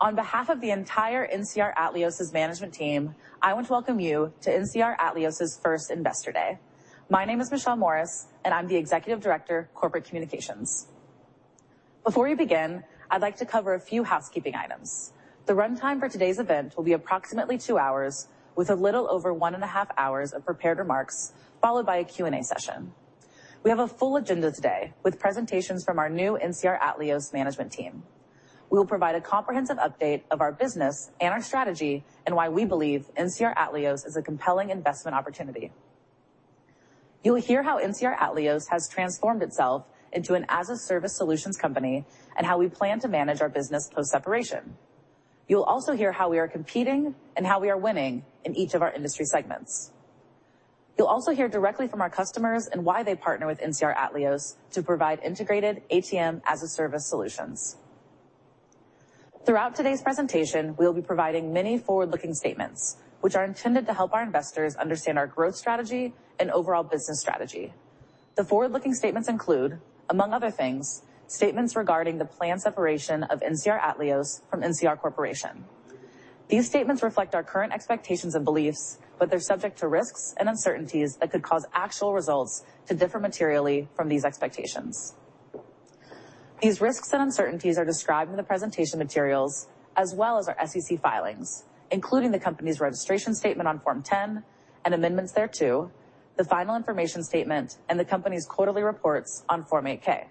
On behalf of the entire NCR Atleos's management team, I want to welcome you to NCR Atleos's First Investor Day. My name is Michelle Morris, and I'm the executive director, Corporate Communications. Before we begin, I'd like to cover a few housekeeping items. The runtime for today's event will be approximately two hours, with a little over one and a half hours of prepared remarks, followed by a Q&A session. We have a full agenda today with presentations from our new NCR Atleos management team. We will provide a comprehensive update of our business and our strategy, and why we believe NCR Atleos is a compelling investment opportunity. You'll hear how NCR Atleos has transformed itself into an as-a-service solutions company, and how we plan to manage our business post-separation. You'll also hear how we are competing and how we are winning in each of our industry segments. You'll also hear directly from our customers and why they partner with NCR Atleos to provide integrated ATM as-a-service solutions. Throughout today's presentation, we'll be providing many forward-looking statements, which are intended to help our investors understand our growth strategy and overall business strategy. The forward-looking statements include, among other things, statements regarding the planned separation of NCR Atleos from NCR Corporation. These statements reflect our current expectations and beliefs, but they're subject to risks and uncertainties that could cause actual results to differ materially from these expectations. These risks and uncertainties are described in the presentation materials, as well as our SEC filings, including the company's registration statement on Form 10 and amendments thereto, the final information statement, and the company's quarterly reports on Form 8-K.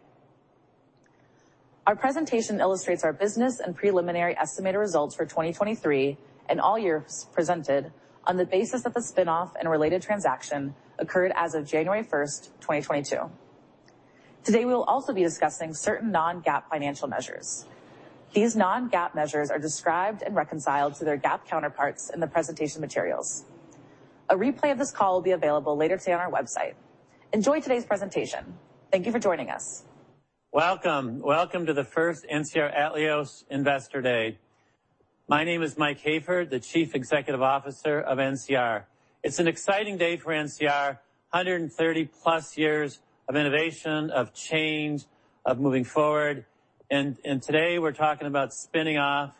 Our presentation illustrates our business and preliminary estimated results for 2023 and all years presented on the basis that the spinoff and related transaction occurred as of January 1, 2022. Today, we will also be discussing certain non-GAAP financial measures. These non-GAAP measures are described and reconciled to their GAAP counterparts in the presentation materials. A replay of this call will be available later today on our website. Enjoy today's presentation. Thank you for joining us. Welcome. Welcome to the first NCR Atleos Investor Day. My name is Mike Hayford, the Chief Executive Officer of NCR. It's an exciting day for NCR. 130+ years of innovation, of change, of moving forward, and today we're talking about spinning off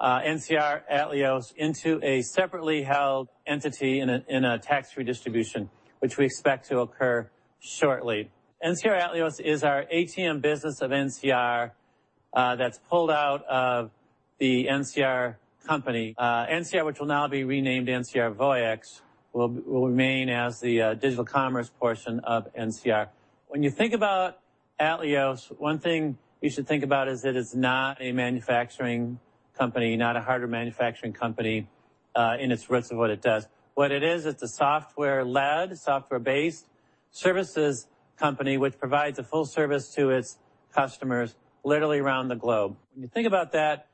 NCR Atleos into a separately held entity in a tax-free distribution, which we expect to occur shortly. NCR Atleos is our ATM business of NCR that's pulled out of the NCR company. NCR, which will now be renamed NCR Voyix, will remain as the digital commerce portion of NCR. When you think about Atleos, one thing you should think about is that it's not a manufacturing company, not a hardware manufacturing company in its roots of what it does. What it is, it's a software-led, software-based services company, which provides a full service to its customers literally around the globe. When you think about that,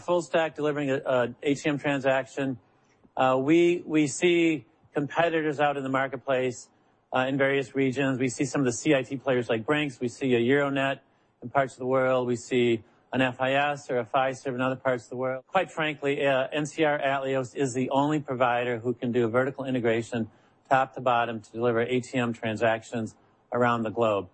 full stack delivering an ATM transaction, we see competitors out in the marketplace in various regions. We see some of the CIT players like Brink's. We see a Euronet in parts of the world. We see an FIS or a Fiserv in other parts of the world. Quite frankly, NCR Atleos is the only provider who can do a vertical integration, top to bottom, to deliver ATM transactions around the globe.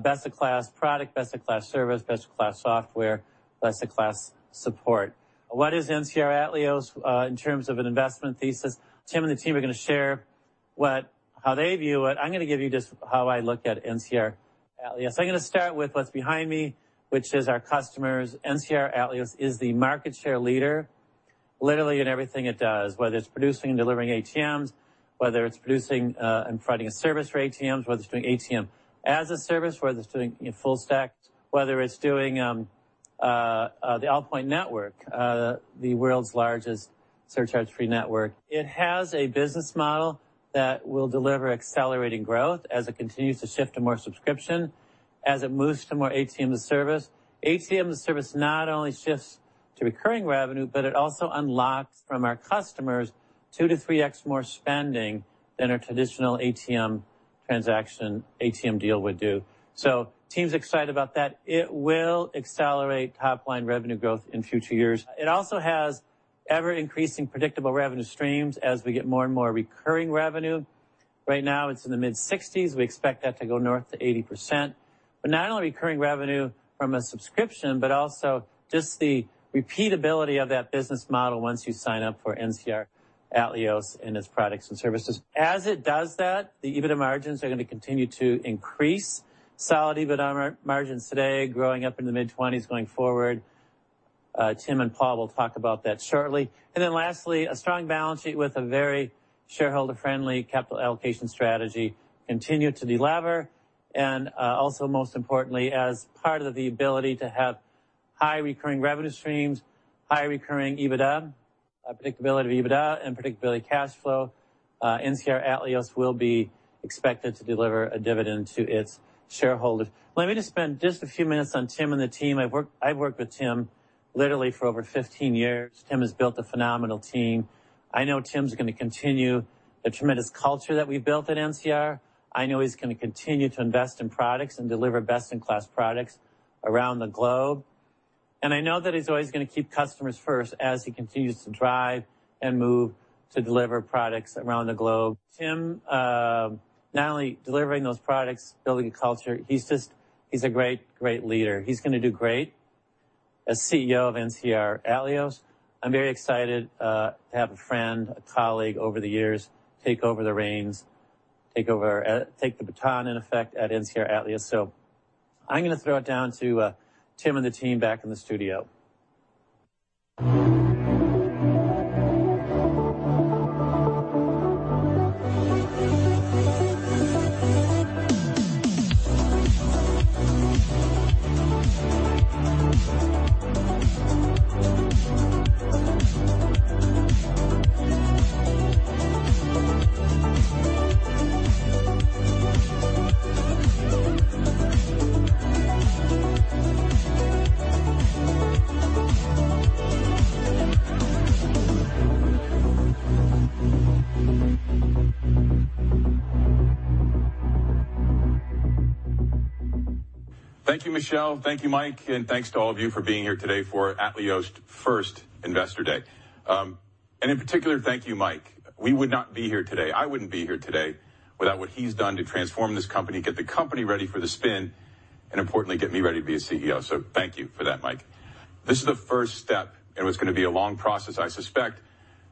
Best-in-class product, best-in-class service, best-in-class software, best-in-class support. What is NCR Atleos in terms of an investment thesis? Tim and the team are going to share what, how they view it. I'm going to give you just how I look at NCR Atleos. I'm going to start with what's behind me, which is our customers. NCR Atleos is the market share leader, literally in everything it does, whether it's producing and delivering ATMs, whether it's producing and providing a service for ATMs, whether it's doing ATM as a Service, whether it's doing full stack, whether it's doing the Allpoint Network, the world's largest surcharge-free network. It has a business model that will deliver accelerating growth as it continues to shift to more subscription, as it moves to more ATM-as-a-service. ATM-as-a-service not only shifts to recurring revenue, but it also unlocks from our customers 2-3x more spending than a traditional ATM transaction, ATM deal would do. So team's excited about that. It will accelerate top-line revenue growth in future years. It also has ever-increasing predictable revenue streams as we get more and more recurring revenue. Right now, it's in the mid-60s%. We expect that to go north to 80%, but not only recurring revenue from a subscription, but also just the repeatability of that business model once you sign up for NCR Atleos and its products and services. As it does that, the EBITDA margins are going to continue to increase. Solid EBITDA margins today, growing up in the mid-20s% going forward. Tim and Paul will talk about that shortly. And then lastly, a strong balance sheet with a very shareholder-friendly capital allocation strategy, continue to delever, and also, most importantly, as part of the ability to have high recurring revenue streams, high recurring EBITDA, predictability of EBITDA and predictability of cash flow, NCR Atleos will be expected to deliver a dividend to its shareholders. Let me just spend just a few minutes on Tim and the team. I've worked with Tim literally for over 15 years. Tim has built a phenomenal team. I know Tim's going to continue the tremendous culture that we've built at NCR. I know he's going to continue to invest in products and deliver best-in-class products around the globe, and I know that he's always going to keep customers first as he continues to drive and move to deliver products around the globe. Tim, not only delivering those products, building a culture, he's just, he's a great, great leader. He's going to do great. As CEO of NCR Atleos, I'm very excited to have a friend, a colleague over the years, take over the reins, take over, take the baton in effect at NCR Atleos. So I'm going to throw it down to Tim and the team back in the studio. Thank you, Michelle. Thank you, Mike, and thanks to all of you for being here today for Atleos' first Investor Day. In particular, thank you, Mike. We would not be here today, I wouldn't be here today without what he's done to transform this company, get the company ready for the spin, and importantly, get me ready to be a CEO. Thank you for that, Mike. This is the first step, and it's going to be a long process, I suspect,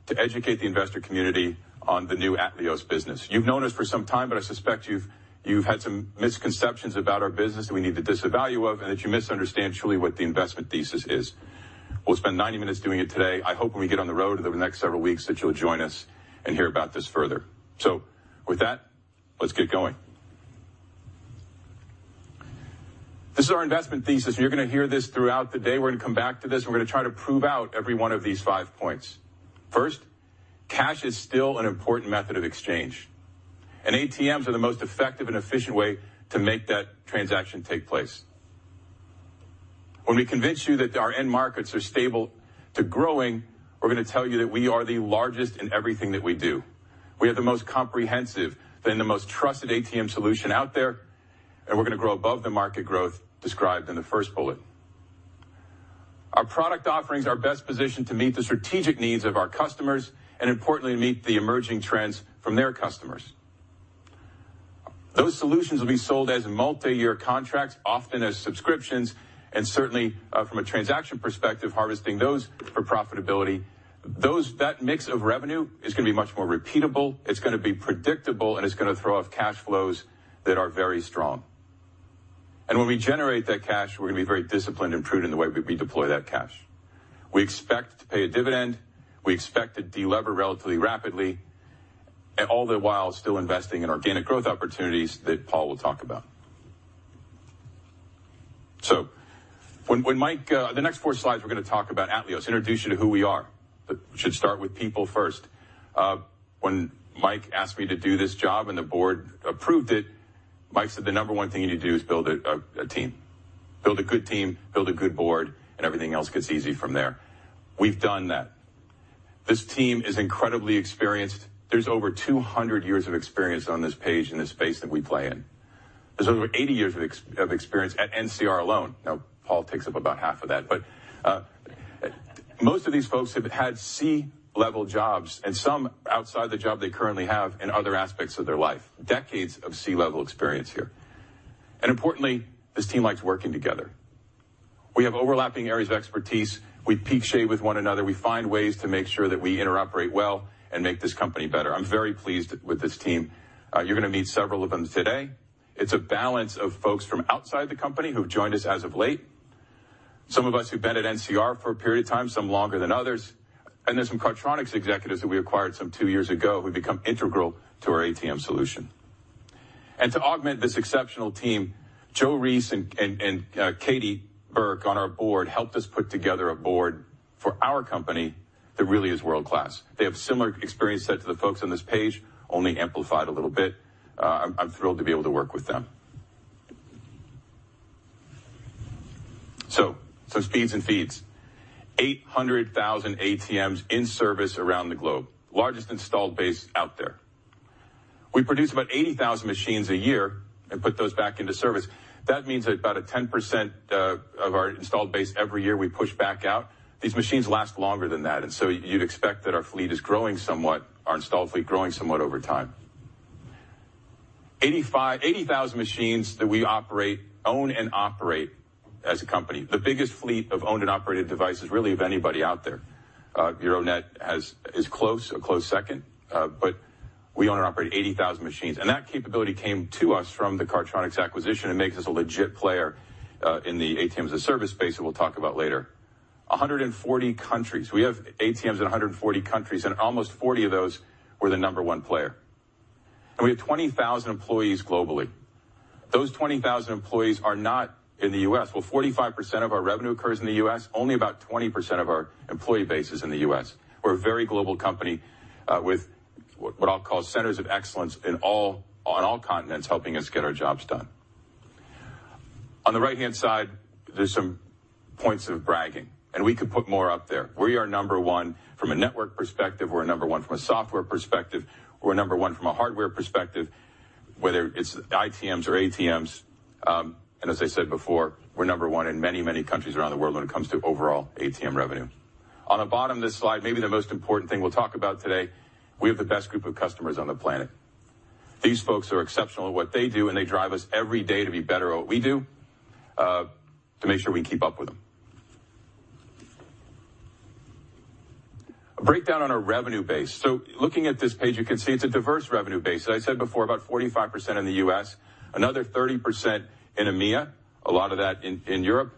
to educate the investor community on the new Atleos business. You've known us for some time, but I suspect you've had some misconceptions about our business that we need to disavow you of, and that you misunderstand truly what the investment thesis is. We'll spend 90 minutes doing it today. I hope when we get on the road over the next several weeks, that you'll join us and hear about this further. So with that, let's get going. This is our investment thesis. You're going to hear this throughout the day. We're going to come back to this, and we're going to try to prove out every one of these five points. First, cash is still an important method of exchange, and ATMs are the most effective and efficient way to make that transaction take place. When we convince you that our end markets are stable to growing, we're going to tell you that we are the largest in everything that we do. We have the most comprehensive and the most trusted ATM solution out there, and we're going to grow above the market growth described in the first bullet. Our product offerings are best positioned to meet the strategic needs of our customers and, importantly, meet the emerging trends from their customers. Those solutions will be sold as multiyear contracts, often as subscriptions, and certainly from a transaction perspective, harvesting those for profitability. That mix of revenue is going to be much more repeatable, it's going to be predictable, and it's going to throw off cash flows that are very strong. And when we generate that cash, we're going to be very disciplined and prudent in the way we deploy that cash. We expect to pay a dividend, we expect to delever relatively rapidly, and all the while still investing in organic growth opportunities that Paul will talk about. So when Mike... The next four slides, we're going to talk about Atleos, introduce you to who we are. But we should start with people first. When Mike asked me to do this job and the board approved it, Mike said, "The number one thing you need to do is build a team. Build a good team, build a good board, and everything else gets easy from there." We've done that. This team is incredibly experienced. There's over 200 years of experience on this page in the space that we play in. There's over 80 years of experience at NCR alone. Now, Paul takes up about half of that, but most of these folks have had C-level jobs and some outside the job they currently have in other aspects of their life. Decades of C-level experience here. And importantly, this team likes working together. We have overlapping areas of expertise. We peak shape with one another. We find ways to make sure that we interoperate well and make this company better. I'm very pleased with this team. You're going to meet several of them today. It's a balance of folks from outside the company who've joined us as of late, some of us who've been at NCR for a period of time, some longer than others, and there's some Cardtronics executives that we acquired some two years ago, who've become integral to our ATM solution. To augment this exceptional team, Joe Reece and Katie Burke, on our board, helped us put together a board for our company that really is world-class. They have similar experience set to the folks on this page, only amplified a little bit. I'm thrilled to be able to work with them. So, some speeds and feeds. 800,000 ATMs in service around the globe, largest installed base out there. We produce about 80,000 machines a year and put those back into service. That means that about a 10%, of our installed base every year, we push back out. These machines last longer than that, and so you'd expect that our fleet is growing somewhat, our installed fleet growing somewhat over time. Eighty thousand machines that we operate, own and operate as a company. The biggest fleet of owned and operated devices, really, of anybody out there. Euronet has, is close, a close second, but we own and operate 80,000 machines, and that capability came to us from the Cardtronics acquisition and makes us a legit player, in the ATM-as-a-service space that we'll talk about later. 140 countries. We have ATMs in 140 countries, and almost 40 of those, we're the number one player. We have 20,000 employees globally. Those 20,000 employees are not in the US. Well, 45% of our revenue occurs in the US. Only about 20% of our employee base is in the US. We're a very global company, with what, what I'll call centers of excellence on all continents, helping us get our jobs done. On the right-hand side, there's some points of bragging, and we could put more up there. We are number one from a network perspective. We're number one from a software perspective. We're number one from a hardware perspective, whether it's ITMs or ATMs. And as I said before, we're number one in many, many countries around the world when it comes to overall ATM revenue. On the bottom of this slide, maybe the most important thing we'll talk about today, we have the best group of customers on the planet. These folks are exceptional at what they do, and they drive us every day to be better at what we do, to make sure we keep up with them. A breakdown on our revenue base. So looking at this page, you can see it's a diverse revenue base. As I said before, about 45% in the U.S., another 30% in EMEA, a lot of that in Europe,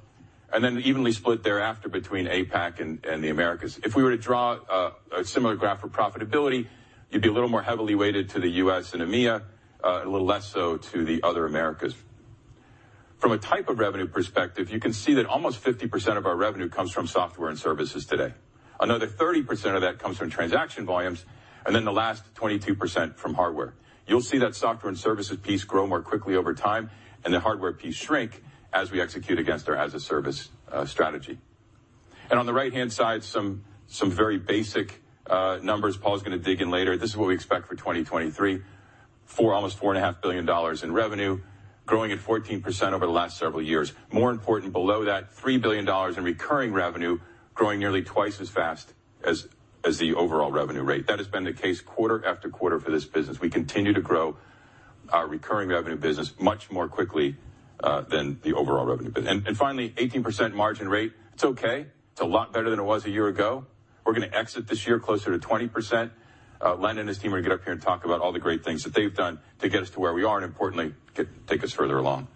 and then evenly split thereafter between APAC and the Americas. If we were to draw a similar graph for profitability, you'd be a little more heavily weighted to the U.S. and EMEA, a little less so to the other Americas. From a type of revenue perspective, you can see that almost 50% of our revenue comes from software and services today. Another 30% of that comes from transaction volumes, and then the last 22% from hardware. You'll see that software and services piece grow more quickly over time, and the hardware piece shrink as we execute against our as-a-service strategy. And on the right-hand side, some very basic numbers Paul's going to dig in later. This is what we expect for 2023. Almost $4.5 billion in revenue, growing at 14% over the last several years. More important, below that, $3 billion in recurring revenue, growing nearly twice as fast as the overall revenue rate. That has been the case quarter after quarter for this business. We continue to grow our recurring revenue business much more quickly than the overall revenue. And finally, 18% margin rate, it's okay. It's a lot better than it was a year ago. We're going to exit this year closer to 20%. Dan and his team are going to get up here and talk about all the great things that they've done to get us to where we are, and importantly, take us further along.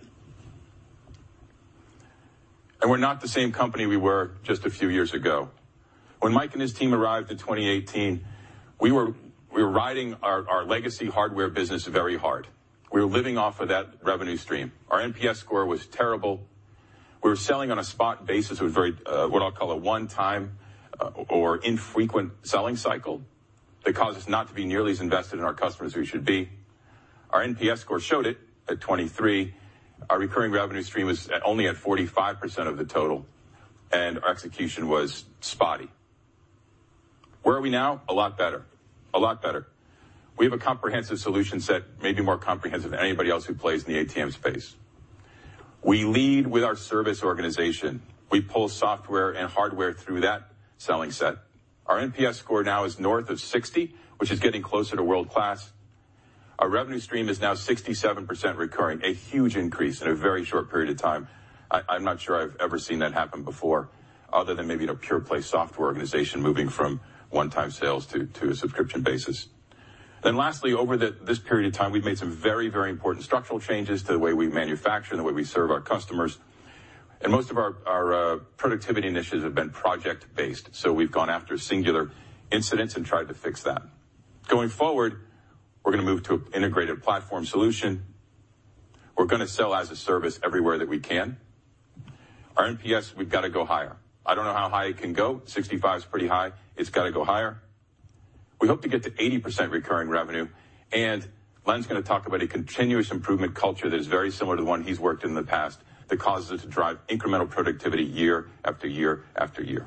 And we're not the same company we were just a few years ago. When Mike and his team arrived in 2018, we were riding our legacy hardware business very hard. We were living off of that revenue stream. Our NPS score was terrible. We were selling on a spot basis with very, what I'll call a one-time, or infrequent selling cycle that caused us not to be nearly as invested in our customers as we should be. Our NPS score showed it at 23. Our recurring revenue stream was at only at 45% of the total, and our execution was spotty. Where are we now? A lot better. A lot better. We have a comprehensive solution set, maybe more comprehensive than anybody else who plays in the ATM space. We lead with our service organization. We pull software and hardware through that selling set. Our NPS score now is north of 60, which is getting closer to world-class. Our revenue stream is now 67% recurring, a huge increase in a very short period of time. I, I'm not sure I've ever seen that happen before, other than maybe in a pure-play software organization moving from one-time sales to a subscription basis. Then lastly, over this period of time, we've made some very, very important structural changes to the way we manufacture and the way we serve our customers, and most of our productivity initiatives have been project-based, so we've gone after singular incidents and tried to fix that. Going forward, we're going to move to an integrated platform solution. We're going to sell as-a-service everywhere that we can. Our NPS, we've got to go higher. I don't know how high it can go. 65 is pretty high. It's got to go higher. We hope to get to 80% recurring revenue, and Len's going to talk about a continuous improvement culture that is very similar to the one he's worked in the past, that causes us to drive incremental productivity year after year after year.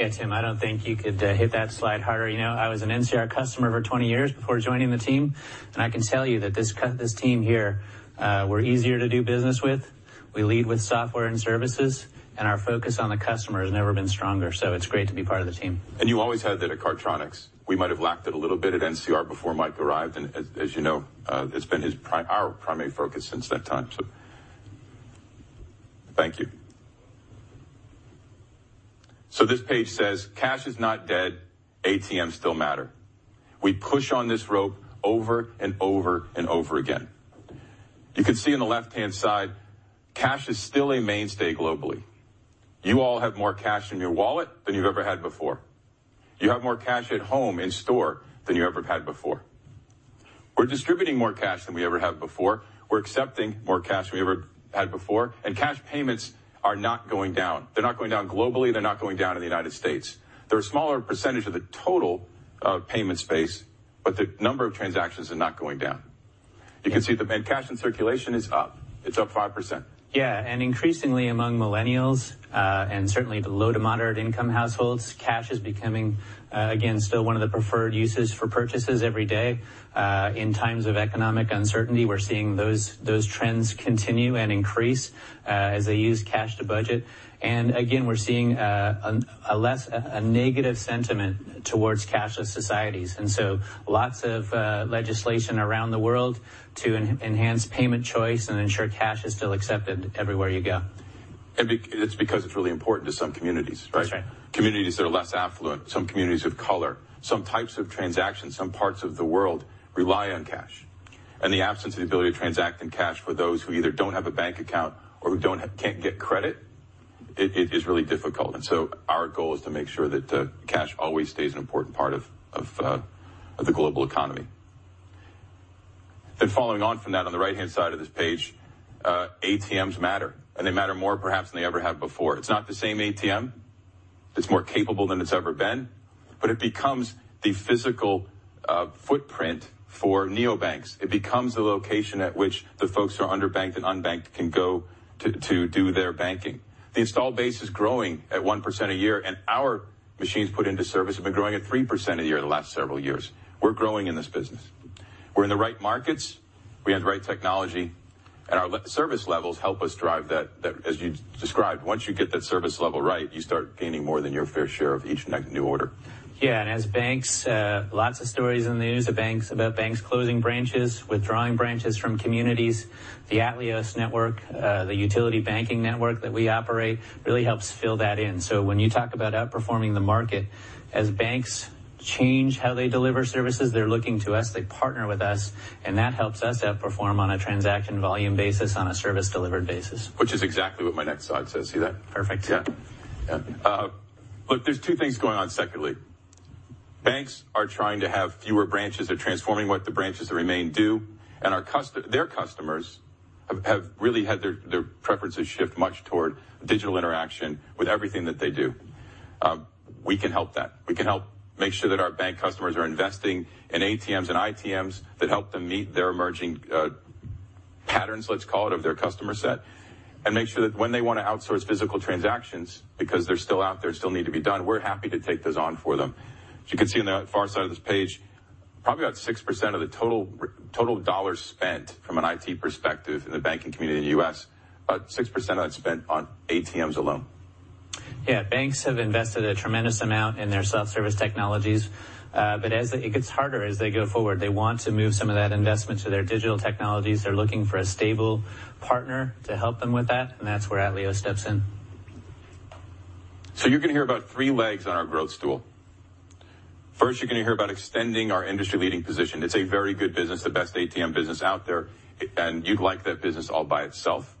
Yeah, Tim, I don't think you could hit that slide harder. You know, I was an NCR customer for 20 years before joining the team, and I can tell you that this team here, we're easier to do business with, we lead with software and services, and our focus on the customer has never been stronger, so it's great to be part of the team. And you always had that at Cardtronics. We might have lacked it a little bit at NCR before Mike arrived, and as you know, it's been our primary focus since that time. So thank you. So this page says, "Cash is not dead. ATMs still matter." We push on this rope over and over and over again. You can see on the left-hand side, cash is still a mainstay globally. You all have more cash in your wallet than you've ever had before. You have more cash at home, in store, than you ever had before. We're distributing more cash than we ever have before. We're accepting more cash than we ever had before, and cash payments are not going down. They're not going down globally, they're not going down in the United States. They're a smaller percentage of the total payment space, but the number of transactions are not going down. You can see the cash in circulation is up. It's up 5%. Yeah, and increasingly among millennials, and certainly the low to moderate income households, cash is becoming, again, still one of the preferred uses for purchases every day. In times of economic uncertainty, we're seeing those trends continue and increase, as they use cash to budget, and again, we're seeing a less negative sentiment towards cashless societies, and so lots of legislation around the world to enhance payment choice and ensure cash is still accepted everywhere you go. It's because it's really important to some communities, right? That's right. Communities that are less affluent, some communities of color, some types of transactions, some parts of the world rely on cash, and the absence of the ability to transact in cash for those who either don't have a bank account or who don't have - can't get credit, it is really difficult. And so our goal is to make sure that cash always stays an important part of the global economy. Then following on from that, on the right-hand side of this page, ATMs matter, and they matter more perhaps than they ever have before. It's not the same ATM. It's more capable than it's ever been, but it becomes the physical footprint for neobanks. It becomes the location at which the folks who are underbanked and unbanked can go to do their banking. The install base is growing at 1% a year, and our machines put into service have been growing at 3% a year in the last several years. We're growing in this business. We're in the right markets, we have the right technology.... and our service levels help us drive that, as you described, once you get that service level right, you start gaining more than your fair share of each next new order. Yeah, and as banks, lots of stories in the news of banks, about banks closing branches, withdrawing branches from communities. The Atleos network, the utility banking network that we operate, really helps fill that in. So when you talk about outperforming the market, as banks change how they deliver services, they're looking to us, they partner with us, and that helps us outperform on a transaction volume basis, on a service delivered basis. Which is exactly what my next slide says. See that? Perfect. Yeah. Yeah. Look, there's two things going on secondly. Banks are trying to have fewer branches. They're transforming what the branches that remain do, and their customers have really had their preferences shift much toward digital interaction with everything that they do. We can help that. We can help make sure that our bank customers are investing in ATMs and ITMs that help them meet their emerging patterns, let's call it, of their customer set, and make sure that when they want to outsource physical transactions, because they're still out there, still need to be done, we're happy to take those on for them. As you can see on the far side of this page, probably about 6% of the total dollars spent from an IT perspective in the banking community in the U.S., about 6% of that is spent on ATMs alone. Yeah. Banks have invested a tremendous amount in their self-service technologies, but it gets harder as they go forward. They want to move some of that investment to their digital technologies. They're looking for a stable partner to help them with that, and that's where Atleos steps in. You're going to hear about three legs on our growth stool. First, you're going to hear about extending our industry-leading position. It's a very good business, the best ATM business out there, and you'd like that business all by itself.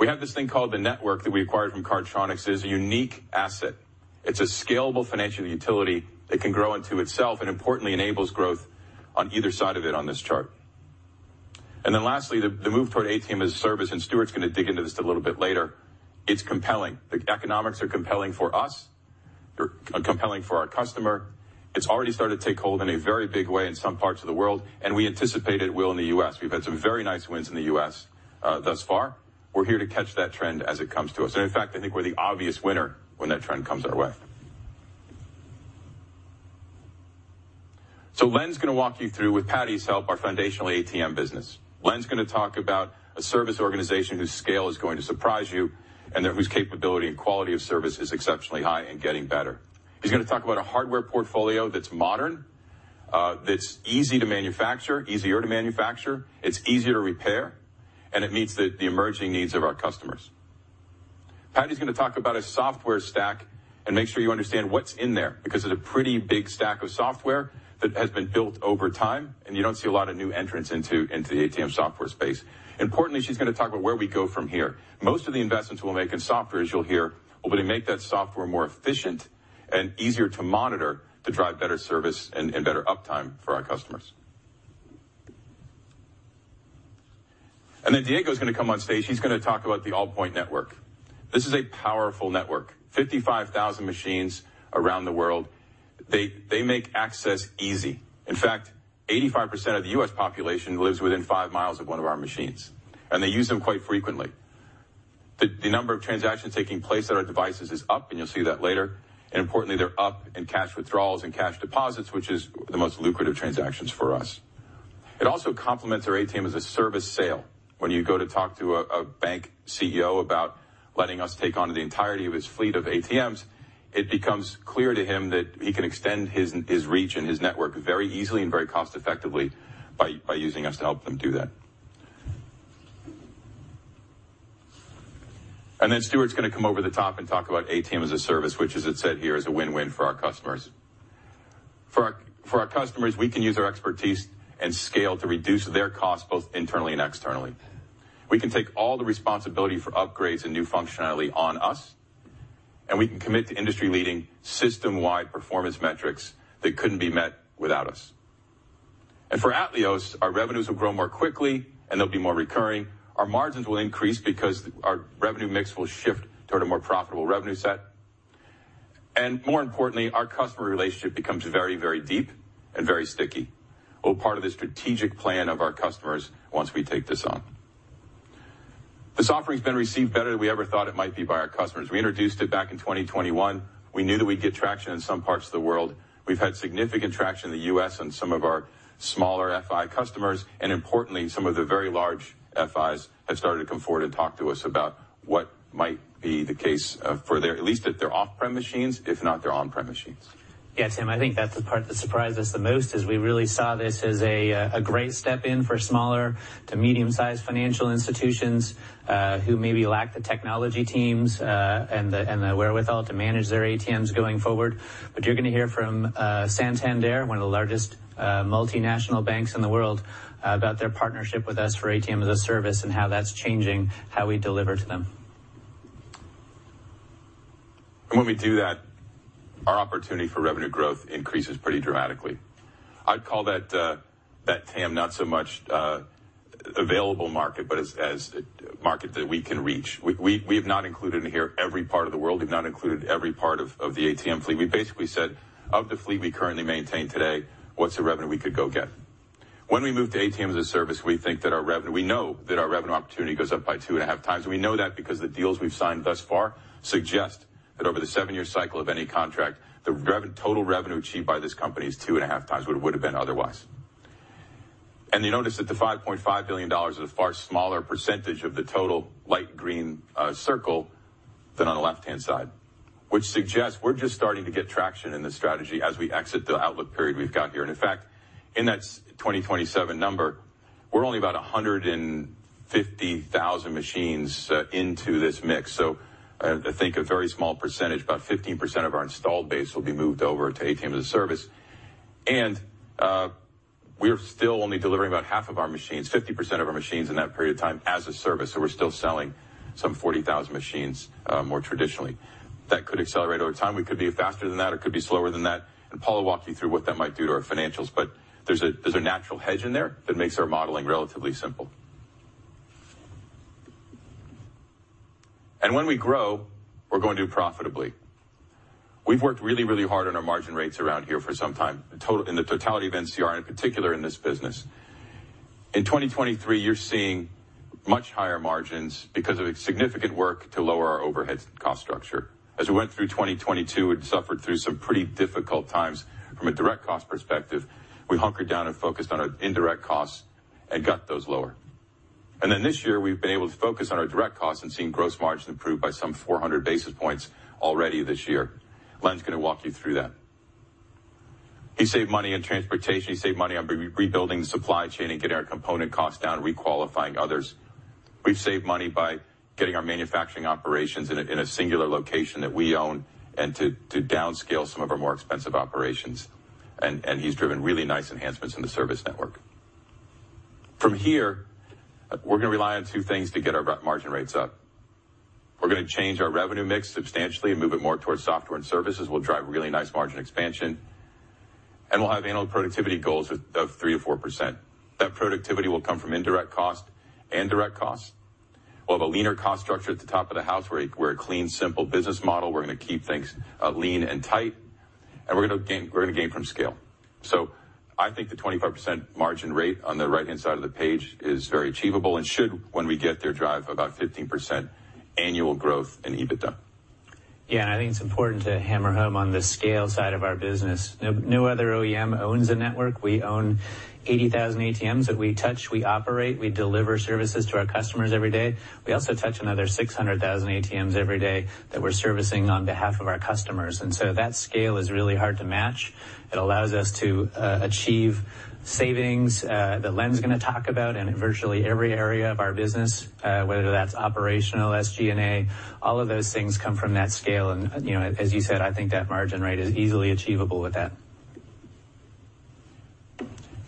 We have this thing called The Network that we acquired from Cardtronics. It is a unique asset. It's a scalable financial utility that can grow into itself, and importantly, enables growth on either side of it on this chart. Then lastly, the move toward ATM as a Service, and Stuart's going to dig into this a little bit later. It's compelling. The economics are compelling for us. They're compelling for our customer. It's already started to take hold in a very big way in some parts of the world, and we anticipate it will in the U.S. We've had some very nice wins in the U.S., thus far. We're here to catch that trend as it comes to us, and in fact, I think we're the obvious winner when that trend comes our way. So Len's going to walk you through, with Patty's help, our foundational ATM business. Len's going to talk about a service organization whose scale is going to surprise you and whose capability and quality of service is exceptionally high and getting better. He's going to talk about a hardware portfolio that's modern, that's easy to manufacture, easier to manufacture, it's easier to repair, and it meets the, the emerging needs of our customers. Patty's going to talk about a software stack and make sure you understand what's in there, because it's a pretty big stack of software that has been built over time, and you don't see a lot of new entrants into the ATM software space. Importantly, she's going to talk about where we go from here. Most of the investments we'll make in software, as you'll hear, will be to make that software more efficient and easier to monitor, to drive better service and better uptime for our customers. Then Diego's going to come on stage. He's going to talk about the Allpoint Network. This is a powerful network, 55,000 machines around the world. They make access easy. In fact, 85% of the U.S. population lives within 5 miles of one of our machines, and they use them quite frequently. The number of transactions taking place at our devices is up, and you'll see that later, and importantly, they're up in cash withdrawals and cash deposits, which is the most lucrative transactions for us. It also complements our ATM as a Service sale. When you go to talk to a bank CEO about letting us take on the entirety of his fleet of ATMs, it becomes clear to him that he can extend his reach and his network very easily and very cost effectively by using us to help them do that. And then Stuart's going to come over the top and talk about ATM as a Service, which as it's said here, is a win-win for our customers. For our customers, we can use our expertise and scale to reduce their costs, both internally and externally. We can take all the responsibility for upgrades and new functionality on us, and we can commit to industry-leading, system-wide performance metrics that couldn't be met without us. And for Atleos, our revenues will grow more quickly, and they'll be more recurring. Our margins will increase because our revenue mix will shift toward a more profitable revenue set, and more importantly, our customer relationship becomes very, very deep and very sticky. All part of the strategic plan of our customers once we take this on. This offering has been received better than we ever thought it might be by our customers. We introduced it back in 2021. We knew that we'd get traction in some parts of the world. We've had significant traction in the US and some of our smaller FI customers, and importantly, some of the very large FIs have started to come forward and talk to us about what might be the case for at least their off-prem machines, if not their on-prem machines. Yeah, Tim, I think that's the part that surprised us the most, is we really saw this as a, a great step in for smaller to medium-sized financial institutions, who maybe lack the technology teams, and the, and the wherewithal to manage their ATMs going forward. But you're gonna hear from, Santander, one of the largest, multinational banks in the world, about their partnership with us for ATM as a Service and how that's changing how we deliver to them. And when we do that, our opportunity for revenue growth increases pretty dramatically. I'd call that TAM, not so much available market, but as a market that we can reach. We have not included in here every part of the world. We've not included every part of the ATM fleet. We basically said, "Of the fleet we currently maintain today, what's the revenue we could go get?" When we move to ATM as a Service, we think that our revenue... We know... that our revenue opportunity goes up by 2.5 times. We know that because the deals we've signed thus far suggest that over the 7-year cycle of any contract, the total revenue achieved by this company is 2.5 times what it would have been otherwise. You notice that the $5.5 billion is a far smaller percentage of the total light green circle than on the left-hand side, which suggests we're just starting to get traction in this strategy as we exit the outlook period we've got here. And in fact, in that 2027 number, we're only about 150,000 machines into this mix. So I think a very small percentage, about 15% of our installed base, will be moved over to ATM as a Service. And we're still only delivering about half of our machines, 50% of our machines in that period of time as a service, so we're still selling some 40,000 machines more traditionally. That could accelerate over time. We could be faster than that, or it could be slower than that, and Paul will walk you through what that might do to our financials, but there's a, there's a natural hedge in there that makes our modeling relatively simple. And when we grow, we're going to do it profitably. We've worked really, really hard on our margin rates around here for some time, in total- in the totality of NCR, and in particular in this business. In 2023, you're seeing much higher margins because of significant work to lower our overhead cost structure. As we went through 2022, we'd suffered through some pretty difficult times from a direct cost perspective. We hunkered down and focused on our indirect costs and got those lower. And then this year, we've been able to focus on our direct costs and seen gross margin improve by some 400 basis points already this year. Len's going to walk you through that. He saved money in transportation, he saved money on rebuilding the supply chain and getting our component costs down, requalifying others. We've saved money by getting our manufacturing operations in a singular location that we own and to downscale some of our more expensive operations, and he's driven really nice enhancements in the service network. From here, we're going to rely on two things to get our margin rates up. We're going to change our revenue mix substantially and move it more towards software and services. We'll drive really nice margin expansion, and we'll have annual productivity goals of 3%-4%. That productivity will come from indirect cost and direct costs. We'll have a leaner cost structure at the top of the house. We're a, we're a clean, simple business model. We're going to keep things, lean and tight, and we're going to gain, we're going to gain from scale. So I think the 25% margin rate on the right-hand side of the page is very achievable and should, when we get there, drive about 15% annual growth in EBITDA. Yeah, and I think it's important to hammer home on the scale side of our business. No, no other OEM owns a network. We own 80,000 ATMs that we touch, we operate, we deliver services to our customers every day. We also touch another 600,000 ATMs every day that we're servicing on behalf of our customers, and so that scale is really hard to match. It allows us to, achieve savings, that Len's going to talk about in virtually every area of our business, whether that's operational, SG&A, all of those things come from that scale, and, you know, as you said, I think that margin rate is easily achievable with that.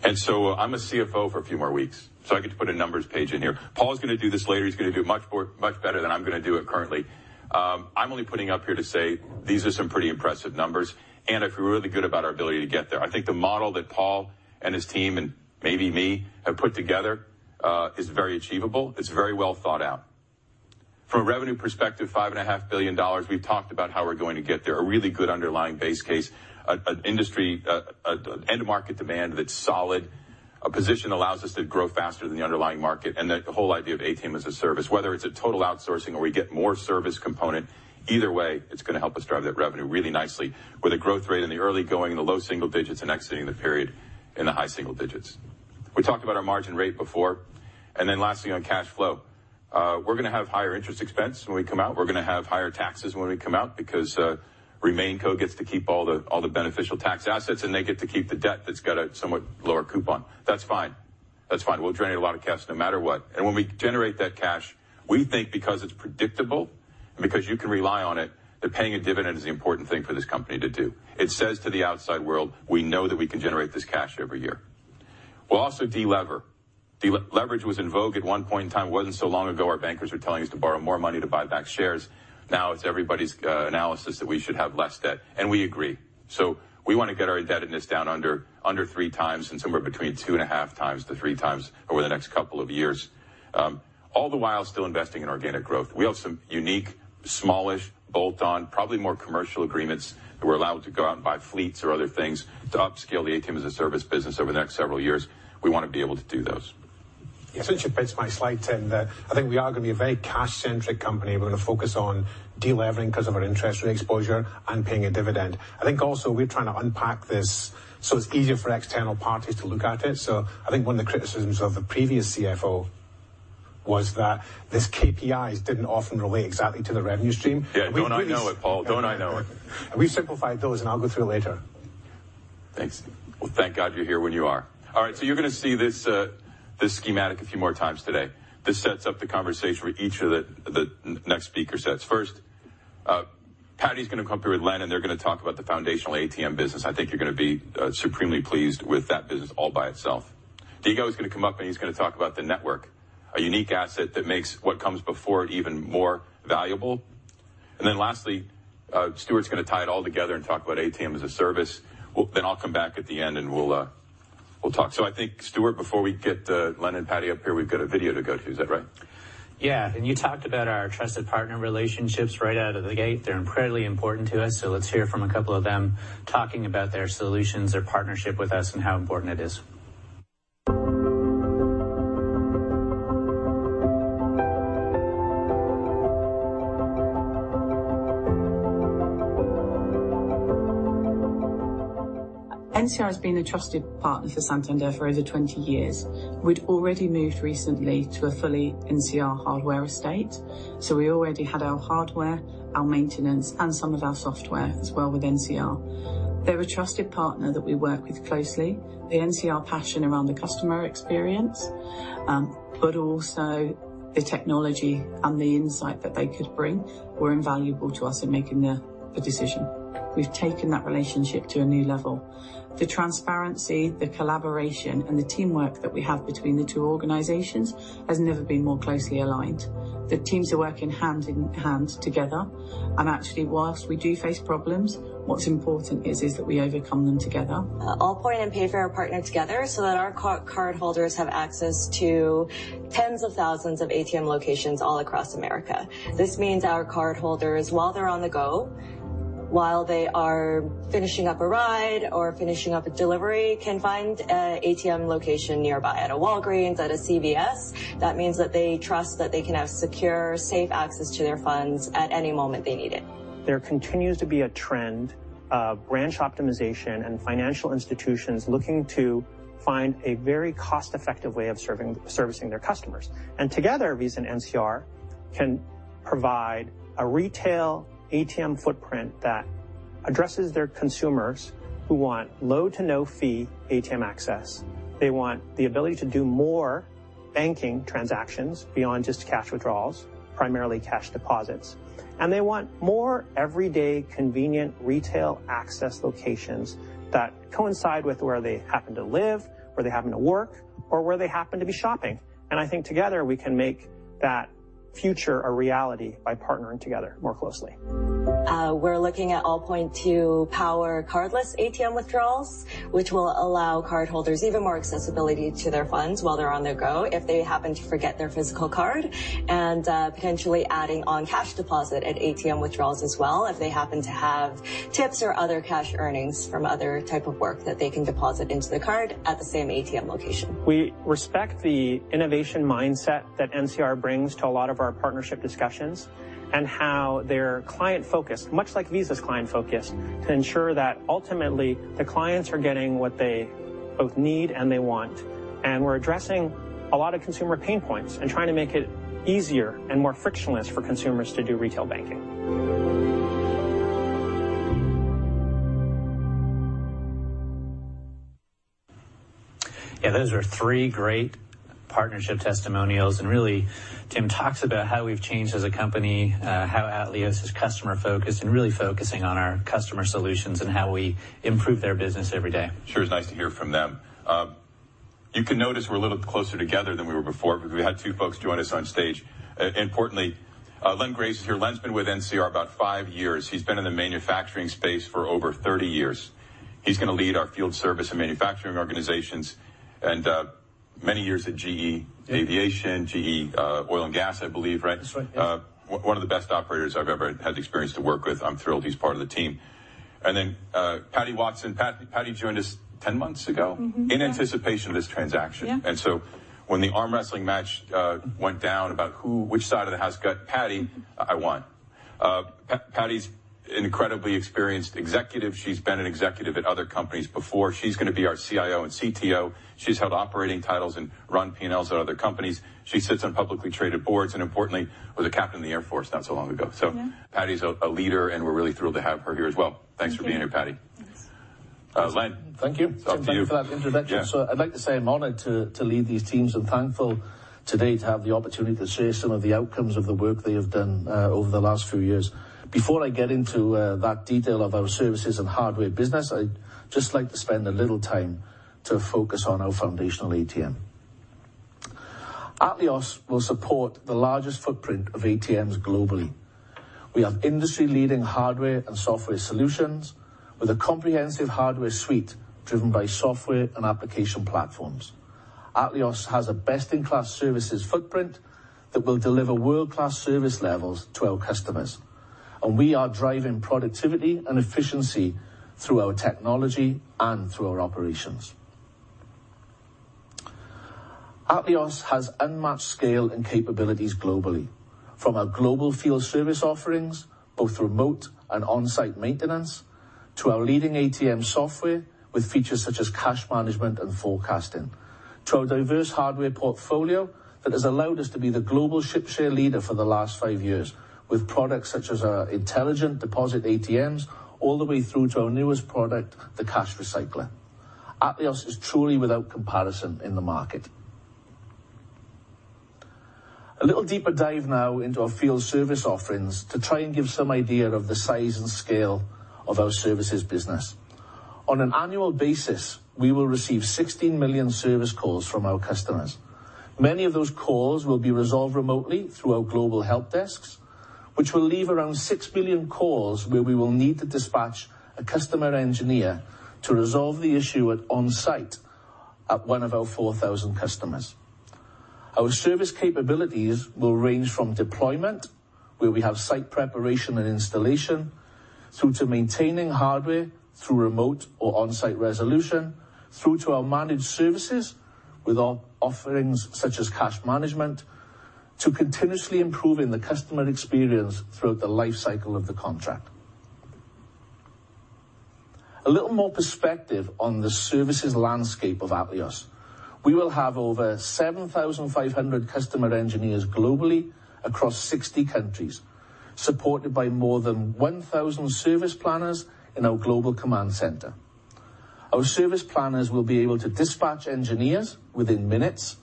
And so I'm a CFO for a few more weeks, so I get to put a numbers page in here. Paul's going to do this later, he's going to do it much more, much better than I'm going to do it currently. I'm only putting it up here to say these are some pretty impressive numbers, and I feel really good about our ability to get there. I think the model that Paul and his team, and maybe me, have put together is very achievable. It's very well thought out. From a revenue perspective, $5.5 billion, we've talked about how we're going to get there. A really good underlying base case, an industry, an end market demand that's solid. A position allows us to grow faster than the underlying market, and the whole idea of ATM as a Service, whether it's a total outsourcing or we get more service component, either way, it's going to help us drive that revenue really nicely with a growth rate in the early going, in the low single digits and exiting the period in the high single digits. We talked about our margin rate before, and then lastly, on cash flow. We're going to have higher interest expense when we come out. We're going to have higher taxes when we come out, because Remainco gets to keep all the, all the beneficial tax assets, and they get to keep the debt that's got a somewhat lower coupon. That's fine. That's fine. We'll generate a lot of cash no matter what, and when we generate that cash, we think because it's predictable and because you can rely on it, that paying a dividend is the important thing for this company to do. It says to the outside world, "We know that we can generate this cash every year." We'll also de-lever. De-lever was in vogue at one point in time. It wasn't so long ago, our bankers were telling us to borrow more money to buy back shares. Now, it's everybody's analysis that we should have less debt, and we agree. So we want to get our indebtedness down under 3 times and somewhere between 2.5-3 times over the next couple of years. All the while, still investing in organic growth. We have some unique, smallish, bolt-on, probably more commercial agreements that we're allowed to go out and buy fleets or other things to upscale the ATM as a Service business over the next several years. We want to be able to do those. Yeah. Since you pitched my slide in there, I think we are going to be a very cash-centric company. We're going to focus on de-levering because of our interest rate exposure and paying a dividend. I think also we're trying to unpack this so it's easier for external parties to look at it. So I think one of the criticisms of the previous CFO was that these KPIs didn't often relate exactly to the revenue stream. Yeah, don't I know it, Paul? Don't I know it. We've simplified those, and I'll go through it later. Thanks. Well, thank God you're here when you are. All right, so you're going to see this schematic a few more times today. This sets up the conversation with each of the next speaker sets. First, Patty's going to come up here with Len, and they're going to talk about the foundational ATM business. I think you're going to be supremely pleased with that business all by itself. Diego is going to come up, and he's going to talk about the network, a unique asset that makes what comes before it even more valuable. And then lastly, Stuart's going to tie it all together and talk about ATM as a Service. Then I'll come back at the end, and we'll talk. So I think, Stuart, before we get Len and Patty up here, we've got a video to go to. Is that right?... Yeah, and you talked about our trusted partner relationships right out of the gate. They're incredibly important to us, so let's hear from a couple of them, talking about their solutions, their partnership with us, and how important it is. NCR has been a trusted partner for Santander for over 20 years. We'd already moved recently to a fully NCR hardware estate, so we already had our hardware, our maintenance, and some of our software as well with NCR. They're a trusted partner that we work with closely. The NCR passion around the customer experience, but also the technology and the insight that they could bring were invaluable to us in making the decision. We've taken that relationship to a new level. The transparency, the collaboration, and the teamwork that we have between the two organizations has never been more closely aligned. The teams are working hand in hand together, and actually, whilst we do face problems, what's important is that we overcome them together. Allpoint and Payfare are partnered together so that our cardholders have access to tens of thousands of ATM locations all across America. This means our cardholders, while they're on the go, while they are finishing up a ride or finishing up a delivery, can find an ATM location nearby at a Walgreens, at a CVS. That means that they trust that they can have secure, safe access to their funds at any moment they need it. There continues to be a trend of branch optimization and financial institutions looking to find a very cost-effective way of serving, servicing their customers. Together, Visa and NCR can provide a retail ATM footprint that addresses their consumers who want low to no-fee ATM access. They want the ability to do more banking transactions beyond just cash withdrawals, primarily cash deposits. They want more everyday convenient retail access locations that coincide with where they happen to live, where they happen to work, or where they happen to be shopping. I think together we can make that future a reality by partnering together more closely. We're looking at Allpoint to power cardless ATM withdrawals, which will allow cardholders even more accessibility to their funds while they're on the go if they happen to forget their physical card, and potentially adding on cash deposit at ATM withdrawals as well, if they happen to have tips or other cash earnings from other type of work that they can deposit into the card at the same ATM location. We respect the innovation mindset that NCR brings to a lot of our partnership discussions and how they're client-focused, much like Visa's client-focused, to ensure that ultimately the clients are getting what they both need and they want. We're addressing a lot of consumer pain points and trying to make it easier and more frictionless for consumers to do retail banking. Yeah, those are three great partnership testimonials, and really, Tim talks about how we've changed as a company, how Atleos is customer-focused and really focusing on our customer solutions and how we improve their business every day. Sure. It's nice to hear from them. You can notice we're a little closer together than we were before because we had two folks join us on stage. Importantly, Len Graves is here. Len's been with NCR about five years. He's been in the manufacturing space for over 30 years. He's going to lead our field service and manufacturing organizations, and many years at GE Aviation, GE Oil & Gas, I believe, right? That's right. One of the best operators I've ever had the experience to work with. I'm thrilled he's part of the team. And then, Patty Watson. Patty joined us ten months ago- Mm-hmm. Yeah. in anticipation of this transaction. Yeah. So when the arm wrestling match went down about who, which side of the house got Patty, I won. Patty's an incredibly experienced executive. She's been an executive at other companies before. She's going to be our CIO and CTO. She's held operating titles and run PNLs at other companies. She sits on publicly traded boards, and importantly, was a captain in the Air Force not so long ago. Yeah. Patty's a leader, and we're really thrilled to have her here as well. Thank you. Thanks for being here, Patty. Thanks. Uh, Len. Thank you. Up to you. Thank you for that introduction. Yeah. So I'd like to say I'm honored to lead these teams and thankful today to have the opportunity to share some of the outcomes of the work they have done over the last few years. Before I get into that detail of our services and hardware business, I'd just like to spend a little time to focus on our foundational ATM. Atleos will support the largest footprint of ATMs globally. We have industry-leading hardware and software solutions with a comprehensive hardware suite driven by software and application platforms. Atleos has a best-in-class services footprint that will deliver world-class service levels to our customers, and we are driving productivity and efficiency through our technology and through our operations. Atleos has unmatched scale and capabilities globally. From our global field service offerings, both remote and on-site maintenance, to our leading ATM software with features such as cash management and forecasting, to our diverse hardware portfolio that has allowed us to be the global market share leader for the last five years with products such as our intelligent deposit ATMs, all the way through to our newest product, the Cash Recycler. Atleos is truly without comparison in the market. A little deeper dive now into our field service offerings to try and give some idea of the size and scale of our services business. On an annual basis, we will receive 16 million service calls from our customers. Many of those calls will be resolved remotely through our global help desks.... which will leave around 6 billion calls where we will need to dispatch a customer engineer to resolve the issue onsite at one of our 4,000 customers. Our service capabilities will range from deployment, where we have site preparation and installation, through to maintaining hardware through remote or onsite resolution, through to our managed services with our offerings such as cash management, to continuously improving the customer experience throughout the life cycle of the contract. A little more perspective on the services landscape of Atleos. We will have over 7,500 customer engineers globally across 60 countries, supported by more than 1,000 service planners in our global command center. Our service planners will be able to dispatch engineers within minutes,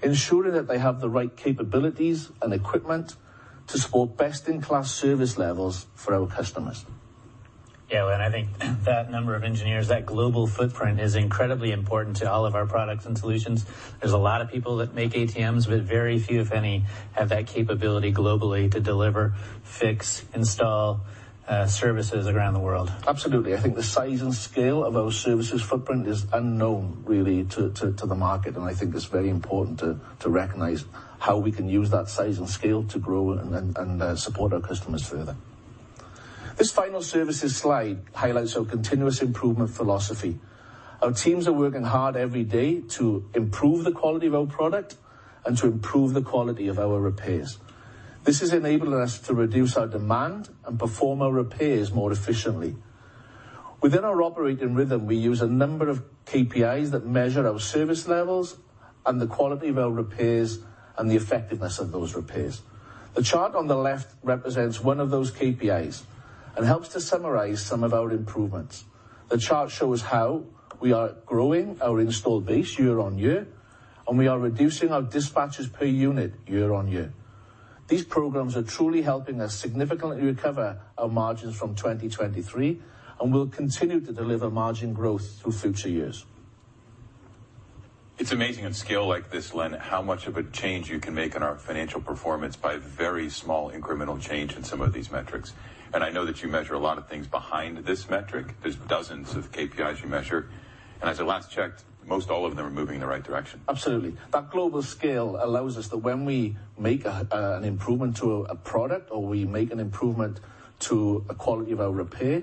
ensuring that they have the right capabilities and equipment to support best-in-class service levels for our customers. Yeah, well, and I think that number of engineers, that global footprint, is incredibly important to all of our products and solutions. There's a lot of people that make ATMs, but very few, if any, have that capability globally to deliver, fix, install, services around the world. Absolutely. I think the size and scale of our services footprint is unknown, really, to the market, and I think it's very important to recognize how we can use that size and scale to grow and support our customers further. This final services slide highlights our continuous improvement philosophy. Our teams are working hard every day to improve the quality of our product and to improve the quality of our repairs. This is enabling us to reduce our demand and perform our repairs more efficiently. Within our operating rhythm, we use a number of KPIs that measure our service levels and the quality of our repairs and the effectiveness of those repairs. The chart on the left represents one of those KPIs and helps to summarize some of our improvements. The chart shows how we are growing our installed base year-on-year, and we are reducing our dispatches per unit year-on-year. These programs are truly helping us significantly recover our margins from 2023, and we'll continue to deliver margin growth through future years. It's amazing, at scale like this, Len, how much of a change you can make in our financial performance by very small incremental change in some of these metrics. I know that you measure a lot of things behind this metric. There's dozens of KPIs you measure, and as I last checked, most all of them are moving in the right direction. Absolutely. That global scale allows us to, when we make a, an improvement to a product or we make an improvement to the quality of our repair,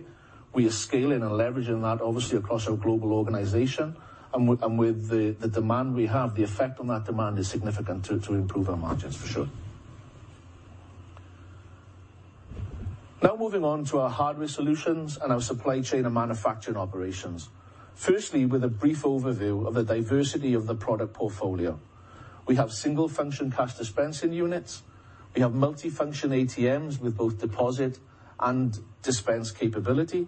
we are scaling and leveraging that obviously across our global organization and with, and with the, the demand we have, the effect on that demand is significant to, to improve our margins for sure. Now, moving on to our hardware solutions and our supply chain and manufacturing operations. Firstly, with a brief overview of the diversity of the product portfolio. We have single-function cash dispensing units. We have multifunction ATMs with both deposit and dispense capability.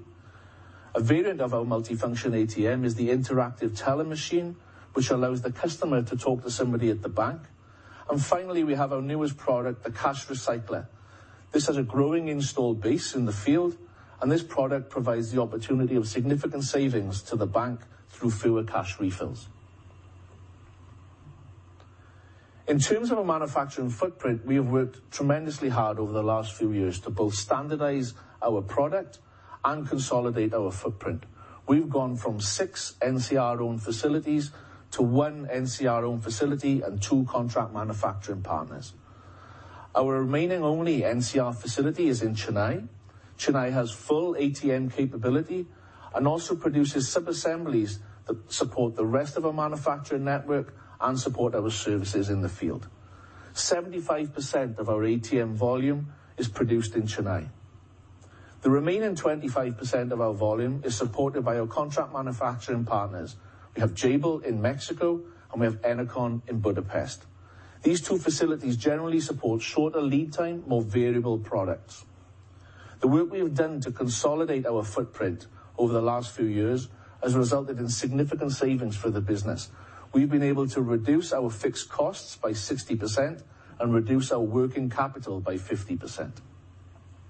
A variant of our multifunction ATM is the interactive teller machine, which allows the customer to talk to somebody at the bank. And finally, we have our newest product, the cash recycler. This has a growing installed base in the field, and this product provides the opportunity of significant savings to the bank through fewer cash refills. In terms of our manufacturing footprint, we have worked tremendously hard over the last few years to both standardize our product and consolidate our footprint. We've gone from six NCR-owned facilities to one NCR-owned facility and two contract manufacturing partners. Our remaining only NCR facility is in Chennai. Chennai has full ATM capability and also produces sub-assemblies that support the rest of our manufacturing network and support our services in the field. 75% of our ATM volume is produced in Chennai. The remaining 25% of our volume is supported by our contract manufacturing partners. We have Jabil in Mexico, and we have Ennoconn in Budapest. These two facilities generally support shorter lead time, more variable products. The work we have done to consolidate our footprint over the last few years has resulted in significant savings for the business. We've been able to reduce our fixed costs by 60% and reduce our working capital by 50%.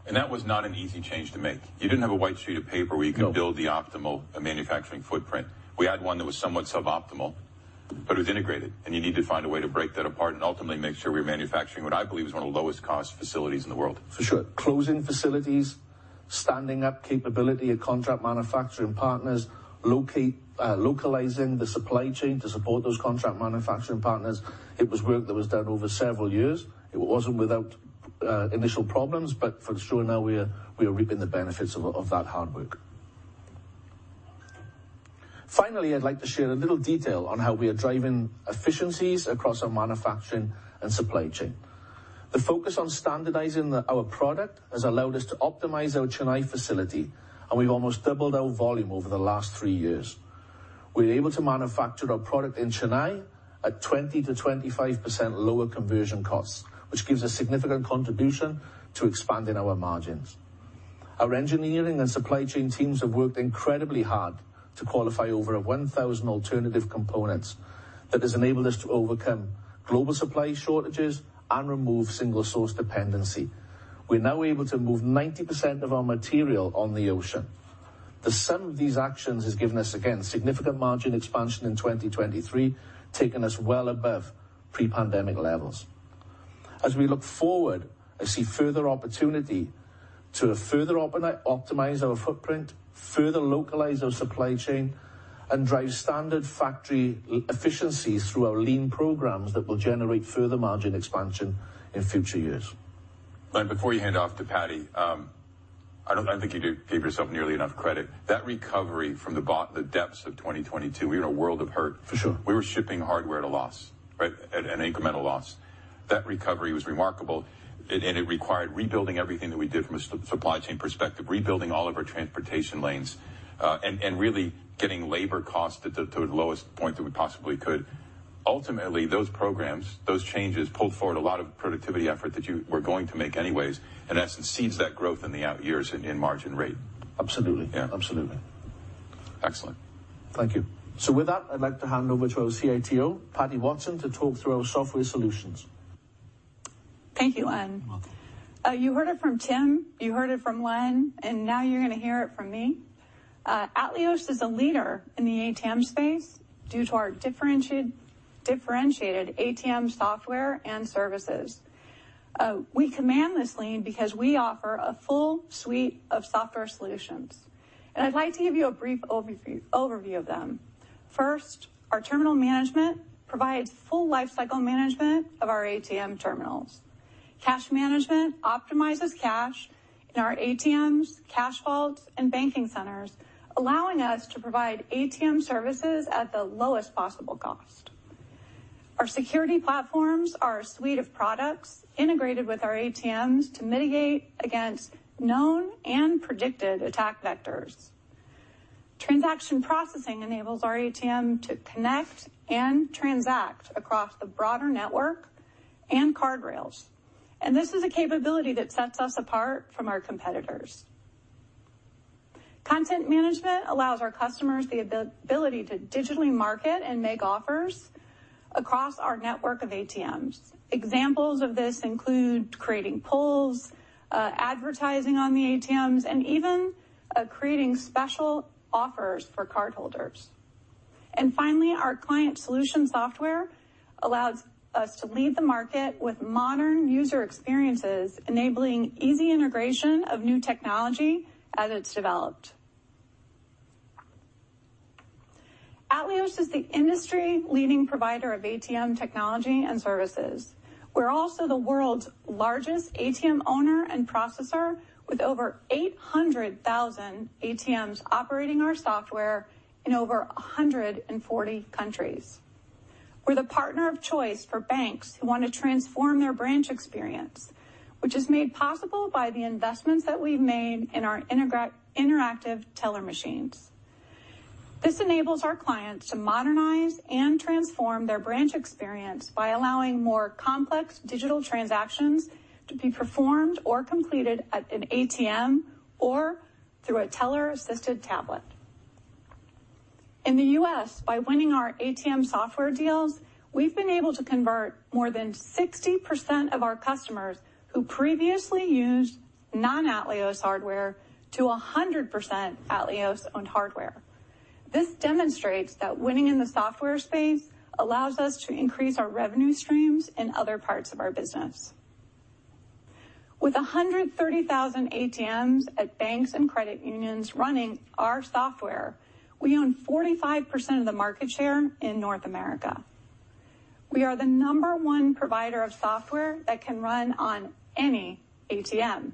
And that was not an easy change to make. You didn't have a white sheet of paper- No... where you could build the optimal manufacturing footprint. We had one that was somewhat suboptimal, but it was integrated, and you needed to find a way to break that apart and ultimately make sure we were manufacturing what I believe is one of the lowest cost facilities in the world. For sure. Closing facilities, standing up capability at contract manufacturing partners, localizing the supply chain to support those contract manufacturing partners. It was work that was done over several years. It wasn't without initial problems, but for sure, now we are, we are reaping the benefits of that hard work. Finally, I'd like to share a little detail on how we are driving efficiencies across our manufacturing and supply chain. The focus on standardizing our product has allowed us to optimize our Chennai facility, and we've almost doubled our volume over the last three years. We're able to manufacture our product in Chennai at 20%-25% lower conversion costs, which gives a significant contribution to expanding our margins. Our engineering and supply chain teams have worked incredibly hard to qualify over 1,000 alternative components. That has enabled us to overcome global supply shortages and remove single-source dependency. We're now able to move 90% of our material on the ocean.... The sum of these actions has given us, again, significant margin expansion in 2023, taking us well above pre-pandemic levels. As we look forward, I see further opportunity to further optimize our footprint, further localize our supply chain, and drive standard factory efficiencies through our lean programs that will generate further margin expansion in future years. Len, before you hand off to Patty, I don't think you give yourself nearly enough credit. That recovery from the bottom, the depths of 2022, we were in a world of hurt. For sure. We were shipping hardware at a loss, right? At an incremental loss. That recovery was remarkable, and it required rebuilding everything that we did from a supply chain perspective, rebuilding all of our transportation lanes, and really getting labor costs to the lowest point that we possibly could. Ultimately, those programs, those changes, pulled forward a lot of productivity effort that you were going to make anyways, in essence, seeds that growth in the out years in margin rate. Absolutely. Yeah. Absolutely. Excellent. Thank you. So with that, I'd like to hand over to our CTO, Patty Watson, to talk through our software solutions. Thank you, Len. You're welcome. You heard it from Tim, you heard it from Len, and now you're going to hear it from me. Atleos is a leader in the ATM space due to our differentiated ATM software and services. We command this lane because we offer a full suite of software solutions, and I'd like to give you a brief overview of them. First, our terminal management provides full lifecycle management of our ATM terminals. Cash management optimizes cash in our ATMs, cash vaults, and banking centers, allowing us to provide ATM services at the lowest possible cost. Our security platforms are a suite of products integrated with our ATMs to mitigate against known and predicted attack vectors. Transaction processing enables our ATM to connect and transact across the broader network and card rails, and this is a capability that sets us apart from our competitors. Content management allows our customers the ability to digitally market and make offers across our network of ATMs. Examples of this include creating polls, advertising on the ATMs, and even creating special offers for cardholders. And finally, our client solution software allows us to lead the market with modern user experiences, enabling easy integration of new technology as it's developed. Atleos is the industry-leading provider of ATM technology and services. We're also the world's largest ATM owner and processor, with over 800,000 ATMs operating our software in over 140 countries. We're the partner of choice for banks who want to transform their branch experience, which is made possible by the investments that we've made in our interactive teller machines. This enables our clients to modernize and transform their branch experience by allowing more complex digital transactions to be performed or completed at an ATM or through a teller-assisted tablet. In the US, by winning our ATM software deals, we've been able to convert more than 60% of our customers who previously used non-Atleos hardware to 100% Atleos-owned hardware. This demonstrates that winning in the software space allows us to increase our revenue streams in other parts of our business. With 130,000 ATMs at banks and credit unions running our software, we own 45% of the market share in North America. We are the number one provider of software that can run on any ATM,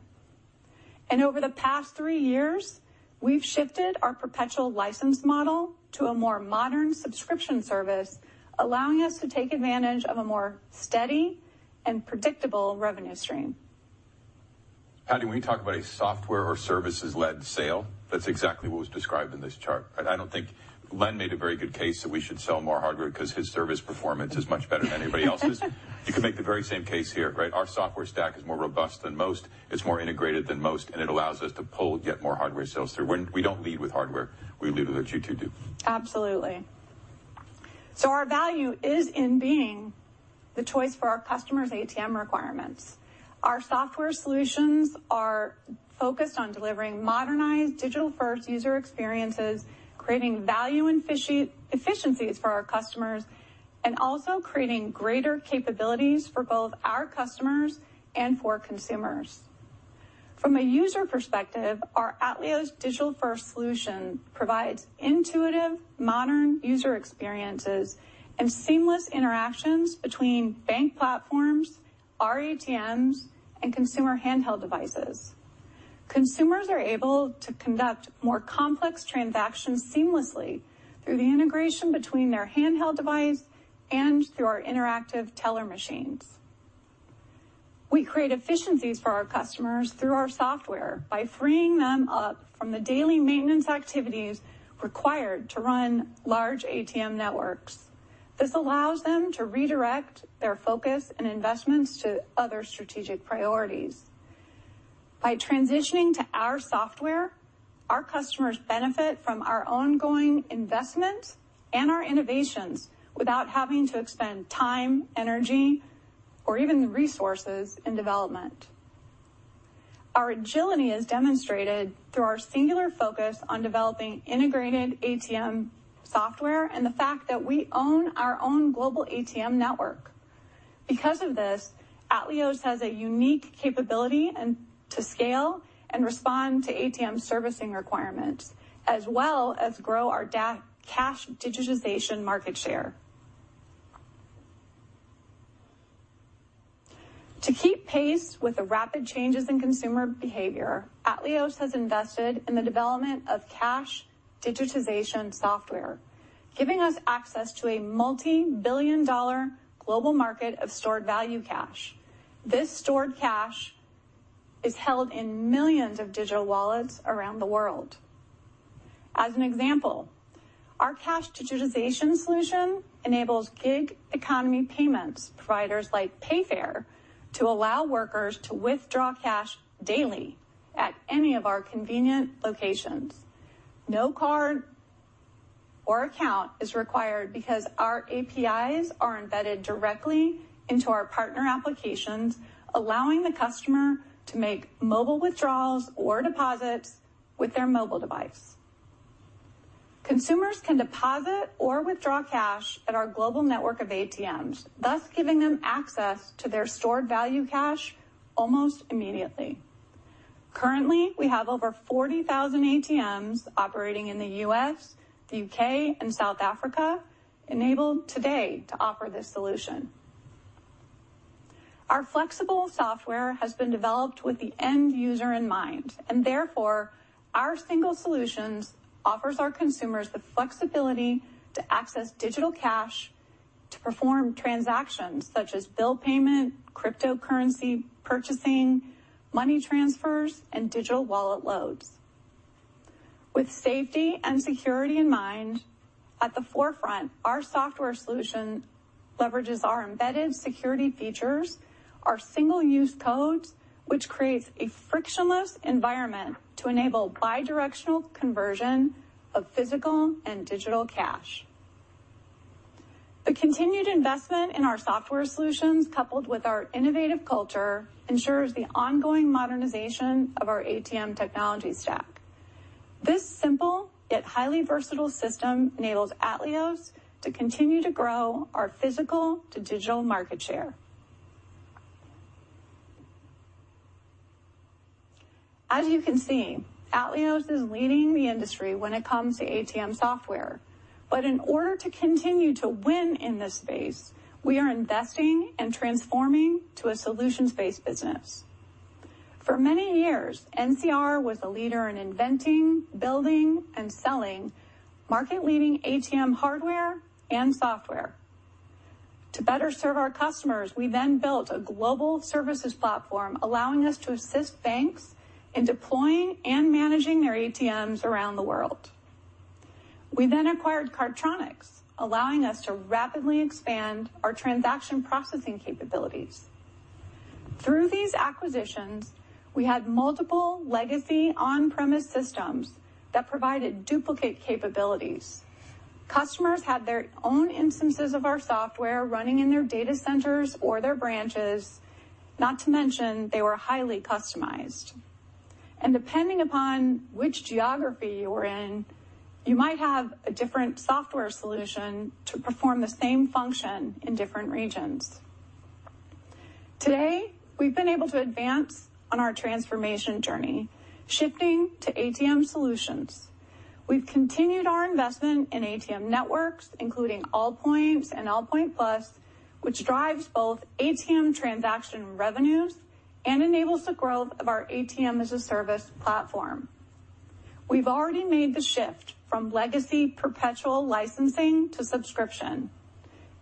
and over the past three years, we've shifted our perpetual license model to a more modern subscription service, allowing us to take advantage of a more steady and predictable revenue stream. Patty, when you talk about a software or services-led sale, that's exactly what was described in this chart, but I don't think Len made a very good case that we should sell more hardware because his service performance is much better than anybody else's. You can make the very same case here, right? Our software stack is more robust than most, it's more integrated than most, and it allows us to get more hardware sales through. When we don't lead with hardware, we lead with what you two do. Absolutely. So our value is in being the choice for our customers' ATM requirements. Our software solutions are focused on delivering modernized digital-first user experiences, creating value and efficiencies for our customers, and also creating greater capabilities for both our customers and for consumers. From a user perspective, our Atleos digital-first solution provides intuitive, modern user experiences and seamless interactions between bank platforms, our ATMs, and consumer handheld devices. Consumers are able to conduct more complex transactions seamlessly through the integration between their handheld device and through our interactive teller machines. We create efficiencies for our customers through our software by freeing them up from the daily maintenance activities required to run large ATM networks. This allows them to redirect their focus and investments to other strategic priorities. By transitioning to our software, our customers benefit from our ongoing investments and our innovations without having to expend time, energy-... or even the resources in development. Our agility is demonstrated through our singular focus on developing integrated ATM software and the fact that we own our own global ATM network. Because of this, Atleos has a unique capability and to scale and respond to ATM servicing requirements, as well as grow our cash digitization market share. To keep pace with the rapid changes in consumer behavior, Atleos has invested in the development of cash digitization software, giving us access to a $multi-billion-dollar global market of stored value cash. This stored cash is held in millions of digital wallets around the world. As an example, our cash digitization solution enables gig economy payments providers like Payfare to allow workers to withdraw cash daily at any of our convenient locations. No card or account is required because our APIs are embedded directly into our partner applications, allowing the customer to make mobile withdrawals or deposits with their mobile device. Consumers can deposit or withdraw cash at our global network of ATMs, thus giving them access to their stored value cash almost immediately. Currently, we have over 40,000 ATMs operating in the U.S., the U.K., and South Africa, enabled today to offer this solution. Our flexible software has been developed with the end user in mind, and therefore, our single solutions offers our consumers the flexibility to access digital cash to perform transactions such as bill payment, cryptocurrency purchasing, money transfers, and digital wallet loads. With safety and security in mind, at the forefront, our software solution leverages our embedded security features, our single-use codes, which creates a frictionless environment to enable bidirectional conversion of physical and digital cash. The continued investment in our software solutions, coupled with our innovative culture, ensures the ongoing modernization of our ATM technology stack. This simple yet highly versatile system enables Atleos to continue to grow our physical to digital market share. As you can see, Atleos is leading the industry when it comes to ATM software. But in order to continue to win in this space, we are investing and transforming to a solutions-based business. For many years, NCR was a leader in inventing, building, and selling market-leading ATM hardware and software. To better serve our customers, we then built a global services platform, allowing us to assist banks in deploying and managing their ATMs around the world. We then acquired Cardtronics, allowing us to rapidly expand our transaction processing capabilities. Through these acquisitions, we had multiple legacy on-premise systems that provided duplicate capabilities. Customers had their own instances of our software running in their data centers or their branches. Not to mention, they were highly customized. Depending upon which geography you were in, you might have a different software solution to perform the same function in different regions. Today, we've been able to advance on our transformation journey, shifting to ATM solutions. We've continued our investment in ATM networks, including Allpoint and Allpoint Plus, which drives both ATM transaction revenues and enables the growth of our ATM as a Service platform. We've already made the shift from legacy perpetual licensing to subscription.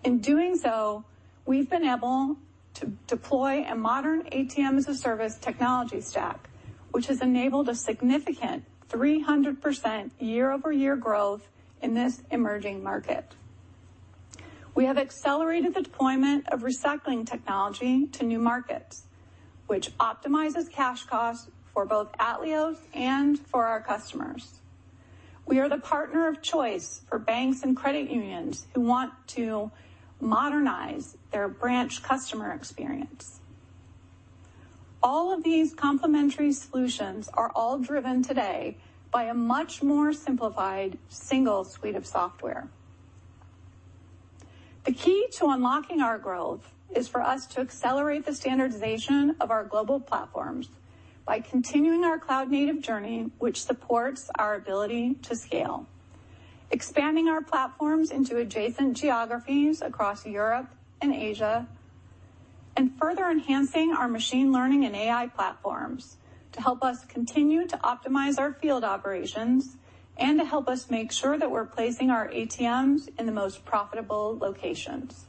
In doing so, we've been able to deploy a modern ATM-as-a-service technology stack, which has enabled a significant 300% year-over-year growth in this emerging market. We have accelerated the deployment of recycling technology to new markets, which optimizes cash costs for both Atleos and for our customers. We are the partner of choice for banks and credit unions who want to modernize their branch customer experience. All of these complementary solutions are all driven today by a much more simplified single suite of software. The key to unlocking our growth is for us to accelerate the standardization of our global platforms by continuing our cloud-native journey, which supports our ability to scale, expanding our platforms into adjacent geographies across Europe and Asia, and further enhancing our machine learning and AI platforms to help us continue to optimize our field operations and to help us make sure that we're placing our ATMs in the most profitable locations.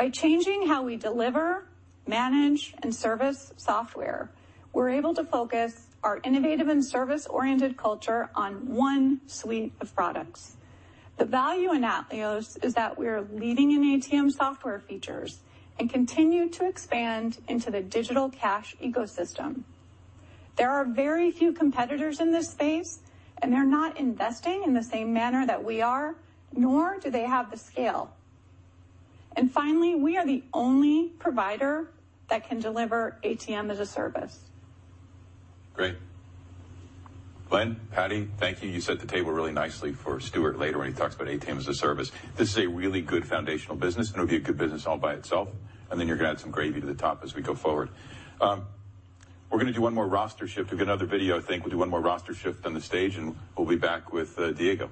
By changing how we deliver, manage, and service software, we're able to focus our innovative and service-oriented culture on one suite of products. The value in Atleos is that we are leading in ATM software features and continue to expand into the digital cash ecosystem. There are very few competitors in this space, and they're not investing in the same manner that we are, nor do they have the scale. And finally, we are the only provider that can deliver ATM as a Service. Great! Len, Patty, thank you. You set the table really nicely for Stuart later when he talks about ATM as a Service. This is a really good foundational business, and it'll be a good business all by itself, and then you're going to add some gravy to the top as we go forward. We're going to do one more roster shift. We've got another video. I think we'll do one more roster shift on the stage, and we'll be back with Diego.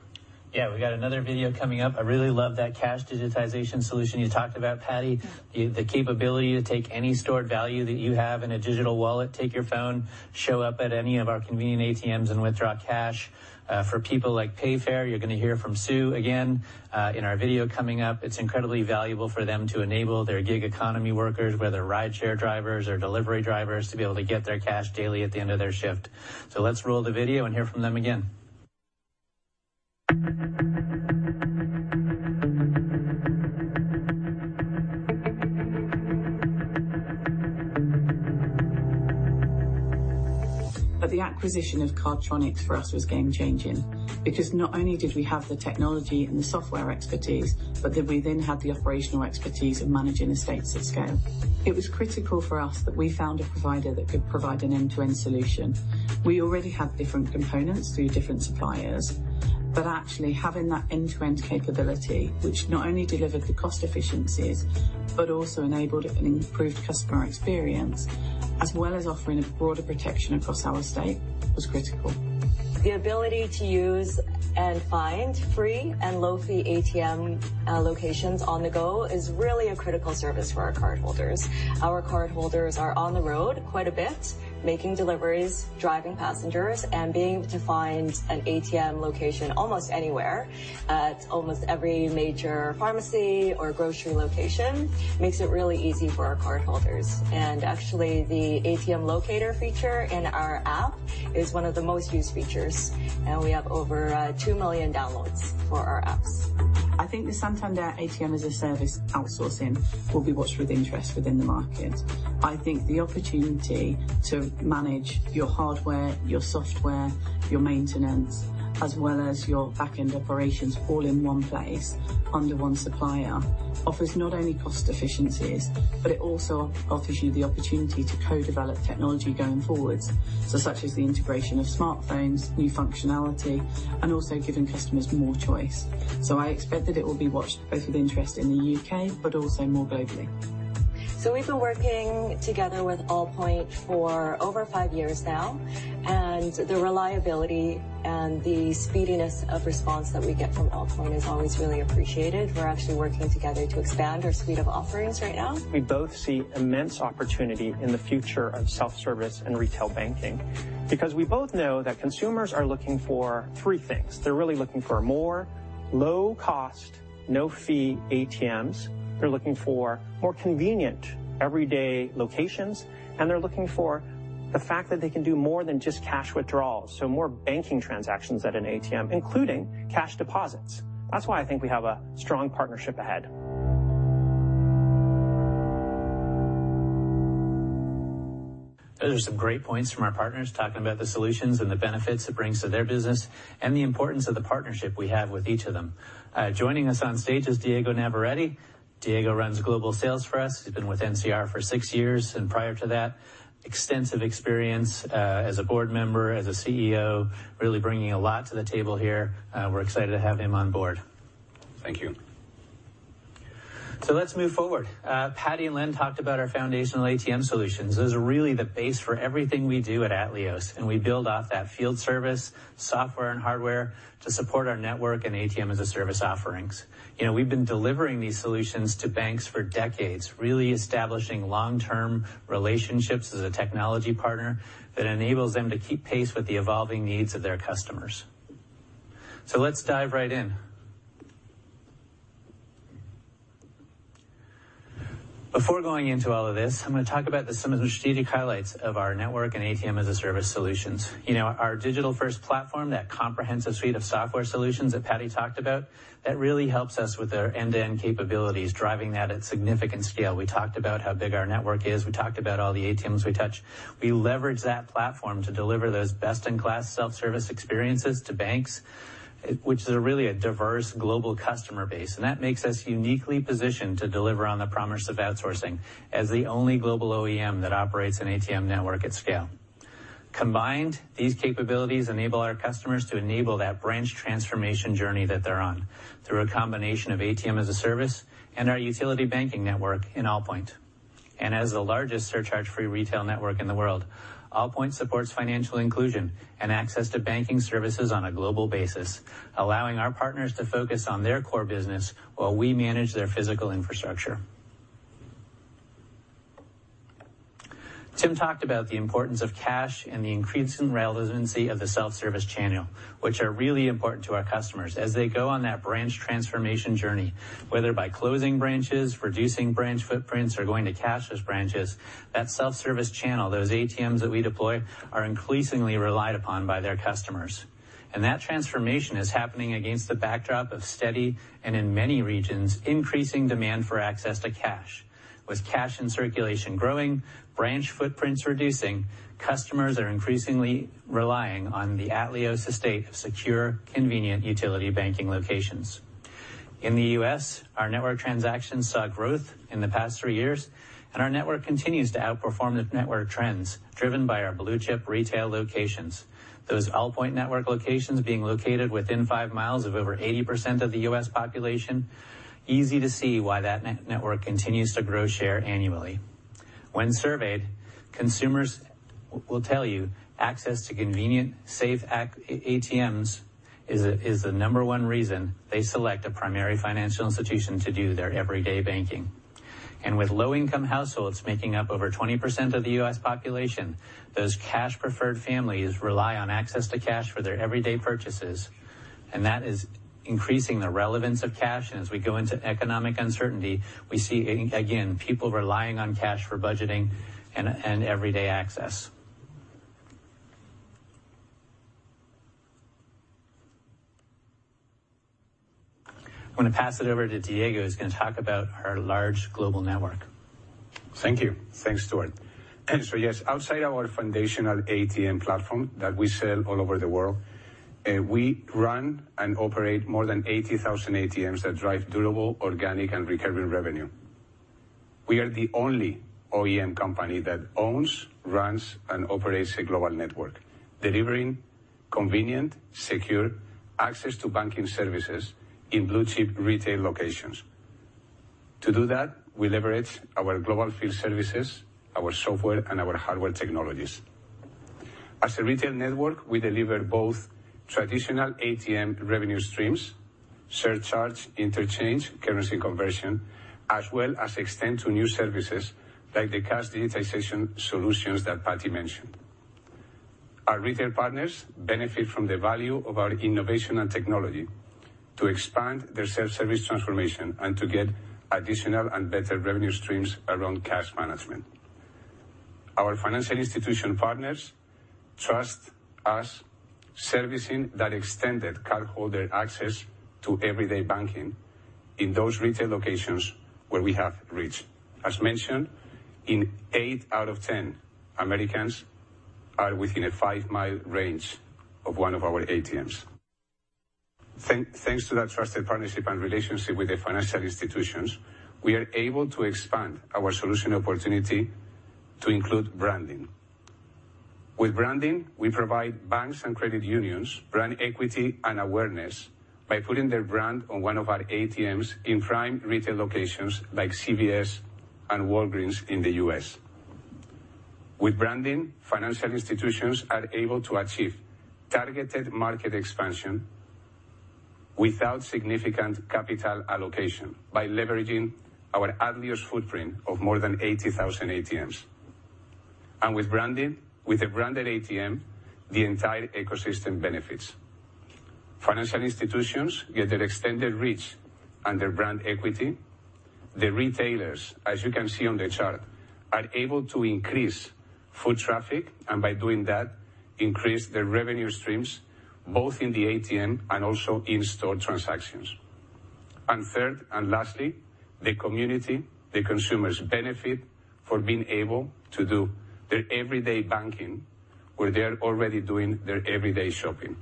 Yeah, we got another video coming up. I really love that Cash Digitization solution you talked about, Patty. Yeah. The capability to take any stored value that you have in a digital wallet, take your phone, show up at any of our convenient ATMs, and withdraw cash. For people like Payfare, you're going to hear from Sue again in our video coming up. It's incredibly valuable for them to enable their gig economy workers, whether rideshare drivers or delivery drivers, to be able to get their cash daily at the end of their shift. So let's roll the video and hear from them again. But the acquisition of Cardtronics for us was game-changing because not only did we have the technology and the software expertise, but that we then had the operational expertise of managing estates at scale. It was critical for us that we found a provider that could provide an end-to-end solution. We already had different components through different suppliers, but actually having that end-to-end capability, which not only delivered the cost efficiencies, but also enabled an improved customer experience as well as offering a broader protection across our estate, was critical. The ability to use and find free and low-fee ATM locations on the go is really a critical service for our cardholders. Our cardholders are on the road quite a bit, making deliveries, driving passengers, and being able to find an ATM location almost anywhere, at almost every major pharmacy or grocery location, makes it really easy for our cardholders. Actually, the ATM locator feature in our app is one of the most used features, and we have over 2 million downloads for our apps. I think the Santander ATM-as-a-Service outsourcing will be watched with interest within the market. I think the opportunity to manage your hardware, your software, your maintenance, as well as your back-end operations all in one place, under one supplier, offers not only cost efficiencies, but it also offers you the opportunity to co-develop technology going forwards. So such as the integration of smartphones, new functionality, and also giving customers more choice. So I expect that it will be watched both with interest in the U.K., but also more globally. So we've been working together with Allpoint for over five years now, and the reliability and the speediness of response that we get from Allpoint is always really appreciated. We're actually working together to expand our suite of offerings right now. We both see immense opportunity in the future of self-service and retail banking because we both know that consumers are looking for three things: They're really looking for more low-cost, no-fee ATMs. They're looking for more convenient, everyday locations, and they're looking for the fact that they can do more than just cash withdrawals, so more banking transactions at an ATM, including cash deposits. That's why I think we have a strong partnership ahead. Those are some great points from our partners, talking about the solutions and the benefits it brings to their business and the importance of the partnership we have with each of them. Joining us on stage is Diego Navarrete. Diego runs global sales for us. He's been with NCR for six years, and prior to that, extensive experience as a board member, as a CEO, really bringing a lot to the table here. We're excited to have him on board. Thank you. So let's move forward. Patty and Len talked about our foundational ATM solutions. Those are really the base for everything we do at Atleos, and we build off that field service, software, and hardware to support our network and ATM as a Service offerings. You know, we've been delivering these solutions to banks for decades, really establishing long-term relationships as a technology partner that enables them to keep pace with the evolving needs of their customers. So let's dive right in. Before going into all of this, I'm going to talk about some of the strategic highlights of our network and ATM as a Service solutions. You know, our digital-first platform, that comprehensive suite of software solutions that Patty talked about, that really helps us with our end-to-end capabilities, driving that at significant scale. We talked about how big our network is. We talked about all the ATMs we touch. We leverage that platform to deliver those best-in-class self-service experiences to banks, which is a really diverse global customer base, and that makes us uniquely positioned to deliver on the promise of outsourcing as the only global OEM that operates an ATM network at scale. Combined, these capabilities enable our customers to enable that branch transformation journey that they're on, through a combination of ATM as a Service and our utility banking network in Allpoint. As the largest surcharge-free retail network in the world, Allpoint supports financial inclusion and access to banking services on a global basis, allowing our partners to focus on their core business while we manage their physical infrastructure. Tim talked about the importance of cash and the increasing relevancy of the self-service channel, which are really important to our customers as they go on that branch transformation journey, whether by closing branches, reducing branch footprints, or going to cashless branches. That self-service channel, those ATMs that we deploy, are increasingly relied upon by their customers, and that transformation is happening against the backdrop of steady and, in many regions, increasing demand for access to cash. With cash in circulation growing, branch footprints reducing, customers are increasingly relying on the Atleos estate of secure, convenient utility banking locations.... In the U.S., our network transactions saw growth in the past three years, and our network continues to outperform the network trends, driven by our blue-chip retail locations. Those Allpoint network locations being located within five miles of over 80% of the U.S. population, easy to see why that network continues to grow share annually. When surveyed, consumers will tell you, access to convenient, safe ATMs is the number one reason they select a primary financial institution to do their everyday banking. And with low-income households making up over 20% of the U.S. population, those cash-preferred families rely on access to cash for their everyday purchases, and that is increasing the relevance of cash. And as we go into economic uncertainty, we see, again, people relying on cash for budgeting and everyday access. I'm going to pass it over to Diego, who's going to talk about our large global network. Thank you. Thanks, Stuart. So, yes, outside our foundational ATM platform that we sell all over the world, we run and operate more than 80,000 ATMs that drive durable, organic, and recurring revenue. We are the only OEM company that owns, runs, and operates a global network, delivering convenient, secure access to banking services in blue-chip retail locations. To do that, we leverage our global field services, our software, and our hardware technologies. As a retail network, we deliver both traditional ATM revenue streams, surcharge, interchange, currency conversion, as well as extend to new services like the cash digitization solutions that Patty mentioned. Our retail partners benefit from the value of our innovation and technology to expand their self-service transformation and to get additional and better revenue streams around cash management. Our financial institution partners trust us servicing that extended cardholder access to everyday banking in those retail locations where we have reach. As mentioned, in eight out of 10 Americans are within a 5-mile range of one of our ATMs. Thanks to that trusted partnership and relationship with the financial institutions, we are able to expand our solution opportunity to include branding. With branding, we provide banks and credit unions brand equity and awareness by putting their brand on one of our ATMs in prime retail locations like CVS and Walgreens in the U.S. With branding, financial institutions are able to achieve targeted market expansion without significant capital allocation by leveraging our Atleos footprint of more than 80,000 ATMs. With branding, with a branded ATM, the entire ecosystem benefits. Financial institutions get their extended reach and their brand equity. The retailers, as you can see on the chart, are able to increase foot traffic, and by doing that, increase their revenue streams, both in the ATM and also in-store transactions. And third, and lastly, the community, the consumers benefit from being able to do their everyday banking, where they are already doing their everyday shopping.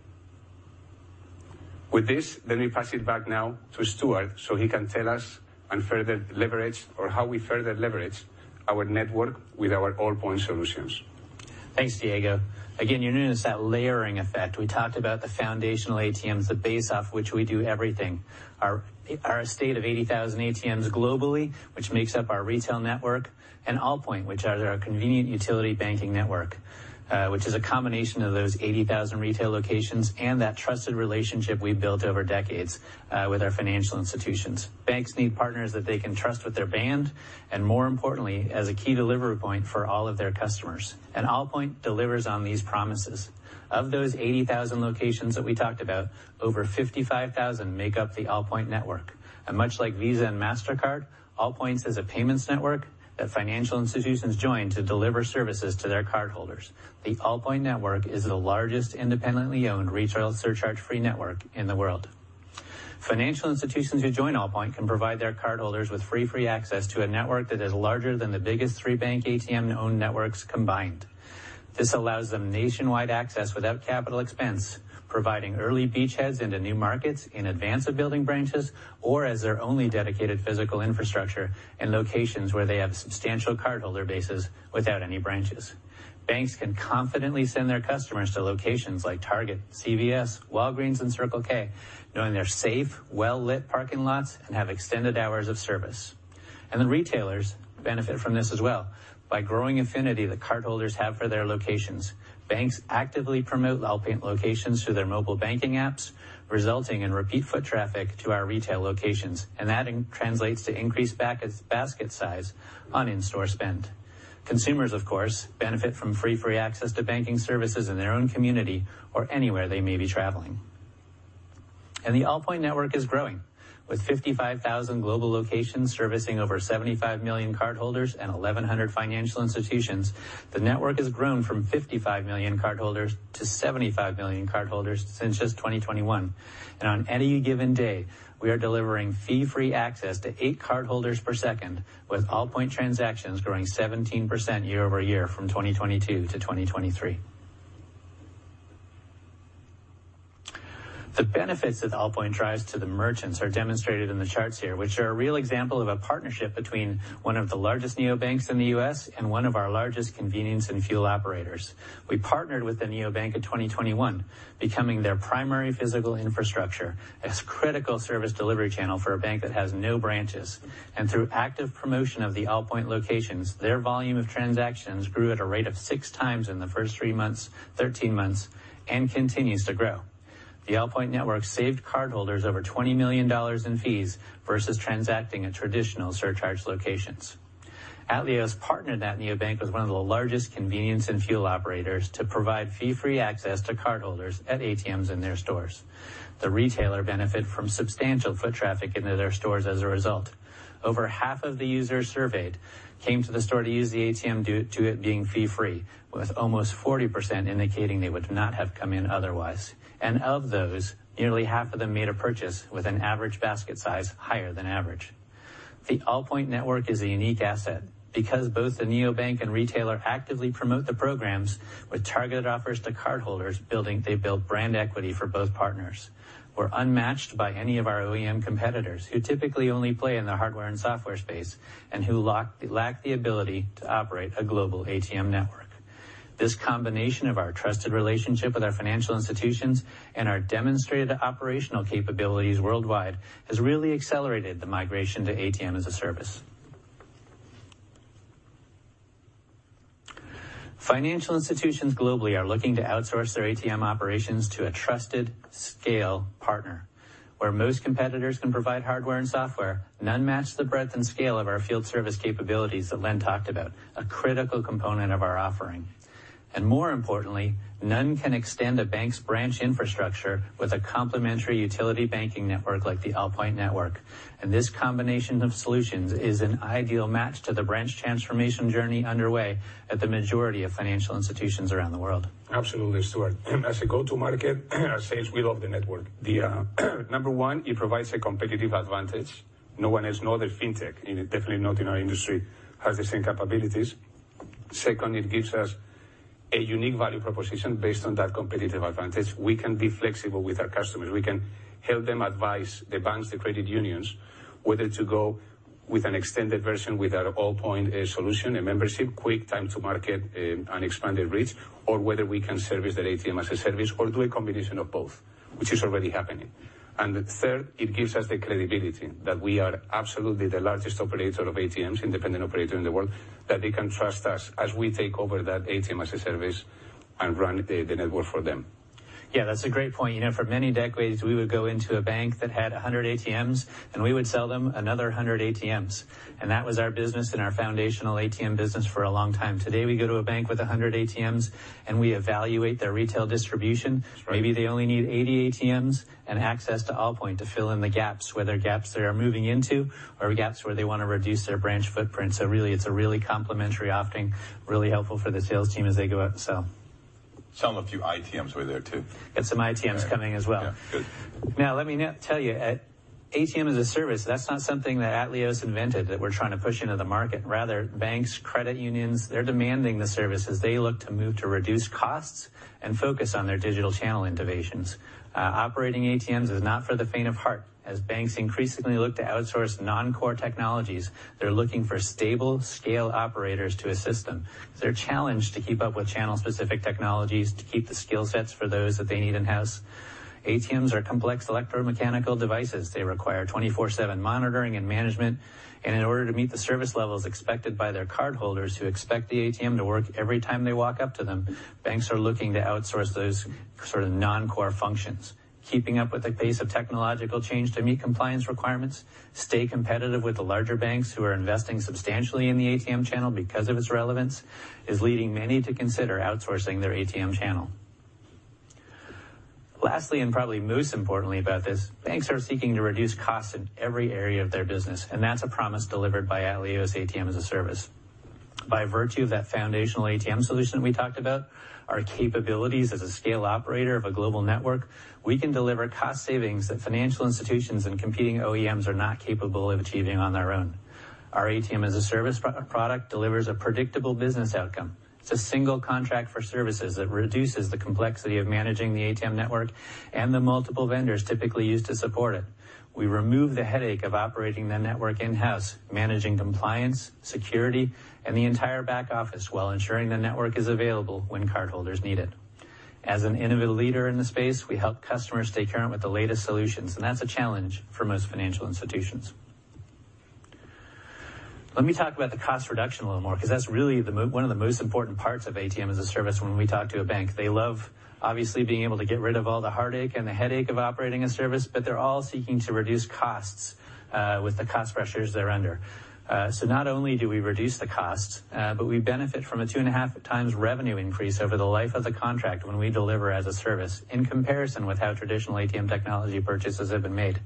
With this, let me pass it back now to Stuart, so he can tell us and further leverage or how we further leverage our network with our Allpoint solutions. Thanks, Diego. Again, you notice that layering effect. We talked about the foundational ATMs, the base off which we do everything, our estate of 80,000 ATMs globally, which makes up our retail network, and Allpoint, which are our convenient utility banking network, which is a combination of those 80,000 retail locations and that trusted relationship we've built over decades with our financial institutions. Banks need partners that they can trust with their brand, and more importantly, as a key delivery point for all of their customers. And Allpoint delivers on these promises. Of those 80,000 locations that we talked about, over 55,000 make up the Allpoint network. And much like Visa and Mastercard, Allpoint is a payments network that financial institutions join to deliver services to their cardholders. The Allpoint network is the largest independently owned retail surcharge-free network in the world. Financial institutions who join Allpoint can provide their cardholders with free, free access to a network that is larger than the biggest three bank ATM-owned networks combined. This allows them nationwide access without capital expense, providing early beachheads into new markets in advance of building branches or as their only dedicated physical infrastructure in locations where they have substantial cardholder bases without any branches. Banks can confidently send their customers to locations like Target, CVS, Walgreens, and Circle K, knowing they're safe, well-lit parking lots and have extended hours of service. The retailers benefit from this as well. By growing affinity, the cardholders have for their locations, banks actively promote Allpoint locations through their mobile banking apps, resulting in repeat foot traffic to our retail locations, and that translates to increased basket, basket size on in-store spend. Consumers, of course, benefit from free, free access to banking services in their own community or anywhere they may be traveling. The Allpoint network is growing. With 55,000 global locations servicing over 75 million cardholders and 1,100 financial institutions, the network has grown from 55 million cardholders to 75 million cardholders since just 2021. On any given day, we are delivering fee-free access to eight cardholders per second, with Allpoint transactions growing 17% year-over-year from 2022 to 2023.... The benefits that Allpoint drives to the merchants are demonstrated in the charts here, which are a real example of a partnership between one of the largest neobanks in the U.S. and one of our largest convenience and fuel operators. We partnered with the neobank in 2021, becoming their primary physical infrastructure as critical service delivery channel for a bank that has no branches. Through active promotion of the Allpoint locations, their volume of transactions grew at a rate of 6x in the first three months, 13 months, and continues to grow. The Allpoint network saved cardholders over $20 million in fees versus transacting at traditional surcharge locations. Atleos partnered that neobank with one of the largest convenience and fuel operators to provide fee-free access to cardholders at ATMs in their stores. The retailer benefit from substantial foot traffic into their stores as a result. Over half of the users surveyed came to the store to use the ATM due to it being fee-free, with almost 40% indicating they would not have come in otherwise, and of those, nearly half of them made a purchase with an average basket size higher than average. The Allpoint network is a unique asset because both the neobank and retailer actively promote the programs with targeted offers to cardholders, building brand equity for both partners. We're unmatched by any of our OEM competitors, who typically only play in the hardware and software space, and who lack the ability to operate a global ATM network. This combination of our trusted relationship with our financial institutions and our demonstrated operational capabilities worldwide has really accelerated the migration to ATM as a Service. Financial institutions globally are looking to outsource their ATM operations to a trusted scale partner, where most competitors can provide hardware and software. None match the breadth and scale of our field service capabilities that Len talked about, a critical component of our offering, and more importantly, none can extend a bank's branch infrastructure with a complementary utility banking network like the Allpoint network. This combination of solutions is an ideal match to the branch transformation journey underway at the majority of financial institutions around the world. Absolutely, Stuart. As a go-to-market, our sales, we love the network. The number one, it provides a competitive advantage. No one else, no other fintech, and definitely not in our industry, has the same capabilities. Second, it gives us a unique value proposition based on that competitive advantage. We can be flexible with our customers. We can help them advise the banks, the credit unions, whether to go with an extended version with our Allpoint solution, a membership, quick time to market, and expanded reach, or whether we can service their ATM as a Service or do a combination of both, which is already happening. And third, it gives us the credibility that we are absolutely the largest operator of ATMs, independent operator in the world, that they can trust us as we take over that ATM as a Service and run the network for them. Yeah, that's a great point. You know, for many decades, we would go into a bank that had 100 ATMs, and we would sell them another 100 ATMs, and that was our business and our foundational ATM business for a long time. Today, we go to a bank with 100 ATMs, and we evaluate their retail distribution. That's right. Maybe they only need 80 ATMs and access to Allpoint to fill in the gaps, whether gaps they are moving into or gaps where they want to reduce their branch footprint. So really, it's a really complementary offering, really helpful for the sales team as they go out and sell. Sell a few ITMs over there, too. Get some ITMs coming as well. Yeah, good. Now, let me tell you, at ATM as a Service, that's not something that Atleos invented, that we're trying to push into the market. Rather, banks, credit unions, they're demanding the services. They look to move to reduce costs and focus on their digital channel innovations. Operating ATMs is not for the faint of heart. As banks increasingly look to outsource non-core technologies, they're looking for stable scale operators to assist them. They're challenged to keep up with channel-specific technologies, to keep the skill sets for those that they need in-house. ATMs are complex electromechanical devices. They require 24/7 monitoring and management, and in order to meet the service levels expected by their cardholders, who expect the ATM to work every time they walk up to them, banks are looking to outsource those sort of non-core functions. Keeping up with the pace of technological change to meet compliance requirements, stay competitive with the larger banks who are investing substantially in the ATM channel because of its relevance, is leading many to consider outsourcing their ATM channel. Lastly, and probably most importantly about this, banks are seeking to reduce costs in every area of their business, and that's a promise delivered by Atleos ATM as a Service. By virtue of that foundational ATM solution we talked about, our capabilities as a scale operator of a global network, we can deliver cost savings that financial institutions and competing OEMs are not capable of achieving on their own. Our ATM as a Service product delivers a predictable business outcome. It's a single contract for services that reduces the complexity of managing the ATM network and the multiple vendors typically used to support it. We remove the headache of operating the network in-house, managing compliance, security, and the entire back office, while ensuring the network is available when cardholders need it. As an innovative leader in the space, we help customers stay current with the latest solutions, and that's a challenge for most financial institutions. Let me talk about the cost reduction a little more, because that's really one of the most important parts of ATM as a Service when we talk to a bank. They love, obviously, being able to get rid of all the heartache and the headache of operating a service, but they're all seeking to reduce costs with the cost pressures they're under. So not only do we reduce the costs, but we benefit from a 2.5x revenue increase over the life of the contract when we deliver as a service in comparison with how traditional ATM technology purchases have been made.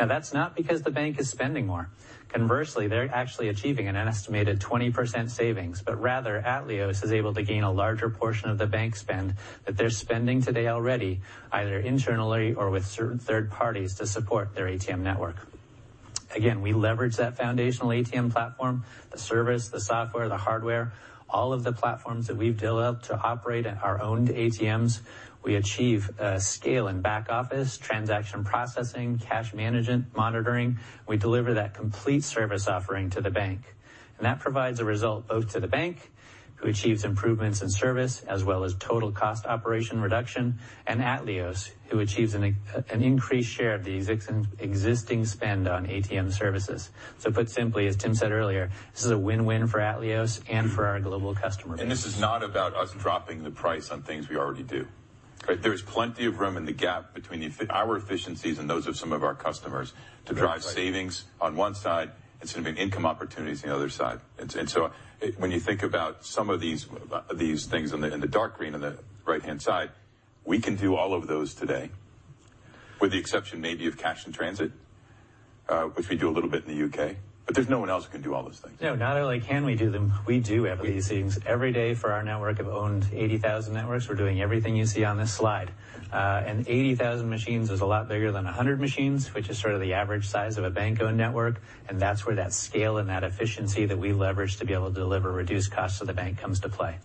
Now, that's not because the bank is spending more. Conversely, they're actually achieving an estimated 20% savings, but rather, Atleos is able to gain a larger portion of the bank spend that they're spending today already, either internally or with certain third parties to support their ATM network. Again, we leverage that foundational ATM platform, the service, the software, the hardware, all of the platforms that we've developed to operate at our owned ATMs. We achieve scale in back office, transaction processing, cash management, monitoring. We deliver that complete service offering to the bank, and that provides a result both to the bank, who achieves improvements in service, as well as total cost operation reduction, and Atleos, who achieves an increased share of the existing spend on ATM services. So put simply, as Tim said earlier, this is a win-win for Atleos and for our global customer base. This is not about us dropping the price on things we already do. Okay? There is plenty of room in the gap between our efficiencies and those of some of our customers to drive savings on one side, it's going to be income opportunities on the other side. So when you think about some of these, these things in the dark green on the right-hand side, we can do all of those today, with the exception maybe of cash in transit, which we do a little bit in the U.K., but there's no one else who can do all those things. No, not only can we do them, we do have these things every day for our network of owned 80,000 networks. We're doing everything you see on this slide. 80,000 machines is a lot bigger than 100 machines, which is sort of the average size of a bank-owned network, and that's where that scale and that efficiency that we leverage to be able to deliver reduced costs to the bank comes to play.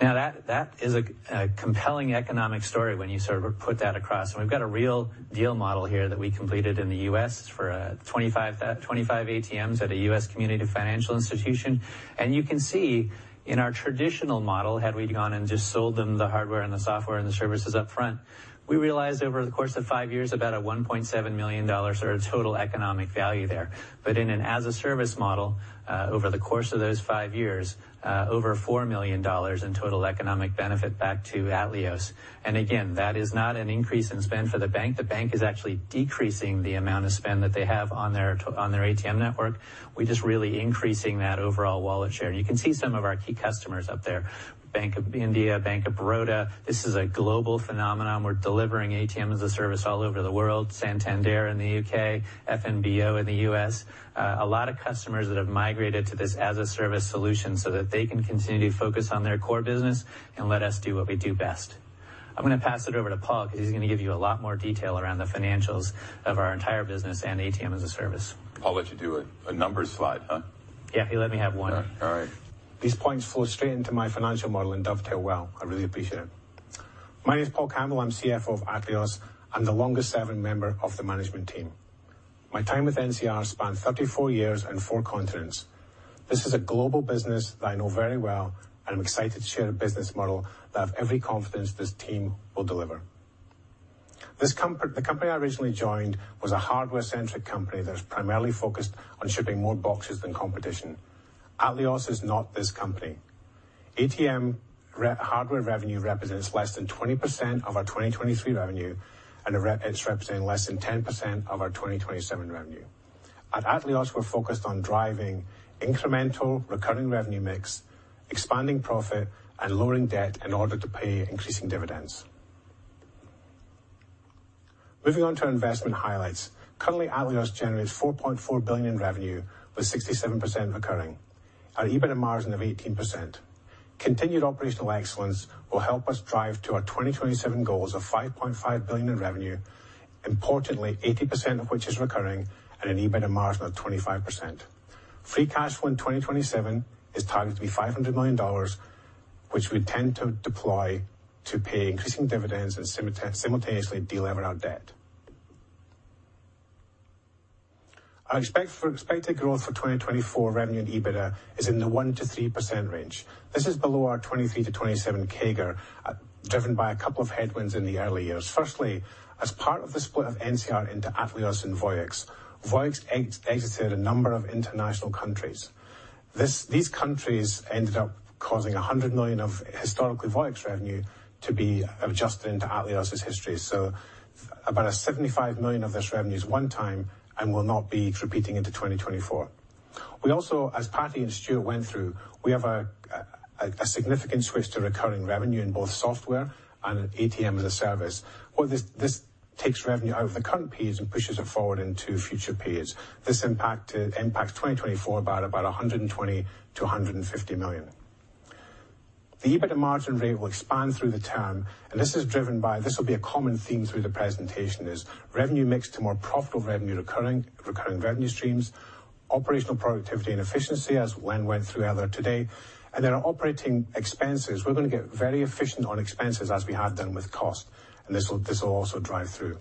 Now, that, that is a, a compelling economic story when you sort of put that across, and we've got a real deal model here that we completed in the US for 25 ATMs at a U.S. community financial institution. You can see in our traditional model, had we gone and just sold them the hardware and the software and the services up front, we realized over the course of five years, about $1.7 million or a total economic value there. But in an as-a-service model, over the course of those five years, over $4 million in total economic benefit back to Atleos. And again, that is not an increase in spend for the bank. The bank is actually decreasing the amount of spend that they have on their on their ATM network. We're just really increasing that overall wallet share. You can see some of our key customers up there, Bank of India, Bank of Baroda. This is a global phenomenon. We're delivering ATM as a Service all over the world, Santander in the U.K., FNBO in the U.S. A lot of customers that have migrated to this as-a-Service solution so that they can continue to focus on their core business and let us do what we do best. I'm going to pass it over to Paul, because he's going to give you a lot more detail around the financials of our entire business and ATM as a Service. I'll let you do a numbers slide, huh? Yeah, if you let me have one. All right. These points flow straight into my financial model and dovetail well. I really appreciate it. My name is Paul Campbell, I'm CFO of Atleos. I'm the longest-serving member of the management team. My time with NCR spans 34 years and four continents. This is a global business that I know very well, and I'm excited to share a business model that I have every confidence this team will deliver. The company I originally joined was a hardware-centric company that was primarily focused on shipping more boxes than competition. Atleos is not this company. ATM hardware revenue represents less than 20% of our 2023 revenue, and it's representing less than 10% of our 2027 revenue. At Atleos, we're focused on driving incremental recurring revenue mix, expanding profit, and lowering debt in order to pay increasing dividends. Moving on to our investment highlights. Currently, Atleos generates $4.4 billion in revenue, with 67% recurring and an EBITDA margin of 18%. Continued operational excellence will help us drive to our 2027 goals of $5.5 billion in revenue, importantly, 80% of which is recurring and an EBITDA margin of 25%. Free cash flow in 2027 is targeted to be $500 million, which we intend to deploy to pay increasing dividends and simultaneously de-lever our debt. Our expected growth for 2024 revenue and EBITDA is in the 1%-3% range. This is below our 2023-2027 CAGR, driven by a couple of headwinds in the early years. Firstly, as part of the split of NCR into Atleos and Voyix, Voyix exited a number of international countries. These countries ended up causing $100 million of historically Voyix revenue to be adjusted into Atleos's history. So about $75 million of this revenue is one time and will not be repeating into 2024. We also, as Patty and Stuart went through, we have a significant switch to recurring revenue in both software and ATM as a Service. Well, this takes revenue out of the current periods and pushes it forward into future periods. This impact impacts 2024 by about $120 million-$150 million. The EBITDA margin rate will expand through the term, and this is driven by... This will be a common theme through the presentation, is revenue mix to more profitable revenue recurring, recurring revenue streams, operational productivity and efficiency, as Len went through earlier today, and there are operating expenses. We're going to get very efficient on expenses as we have done with cost, and this will also drive through.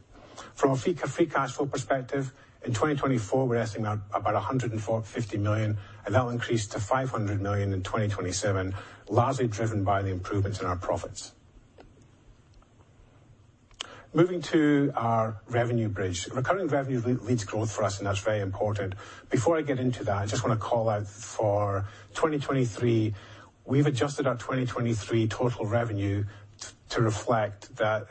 From a free cash flow perspective, in 2024, we're guessing at about $145 million, and that will increase to $500 million in 2027, largely driven by the improvements in our profits. Moving to our revenue bridge. Recurring revenue leads growth for us, and that's very important. Before I get into that, I just want to call out for 2023, we've adjusted our 2023 total revenue to reflect that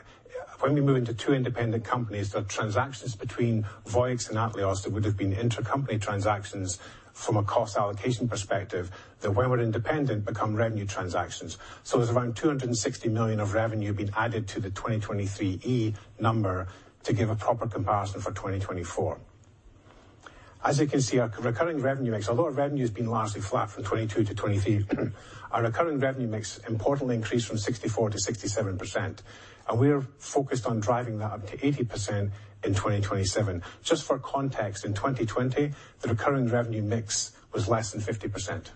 when we move into two independent companies, the transactions between Voyix and Atleos, that would have been intercompany transactions from a cost allocation perspective, that when we're independent, become revenue transactions. So there's around $260 million of revenue being added to the 2023 E number to give a proper comparison for 2024.... As you can see, our recurring revenue mix, although our revenue has been largely flat from 2022 to 2023, our recurring revenue mix importantly increased from 64%-67%, and we're focused on driving that up to 80% in 2027. Just for context, in 2020, the recurring revenue mix was less than 50%.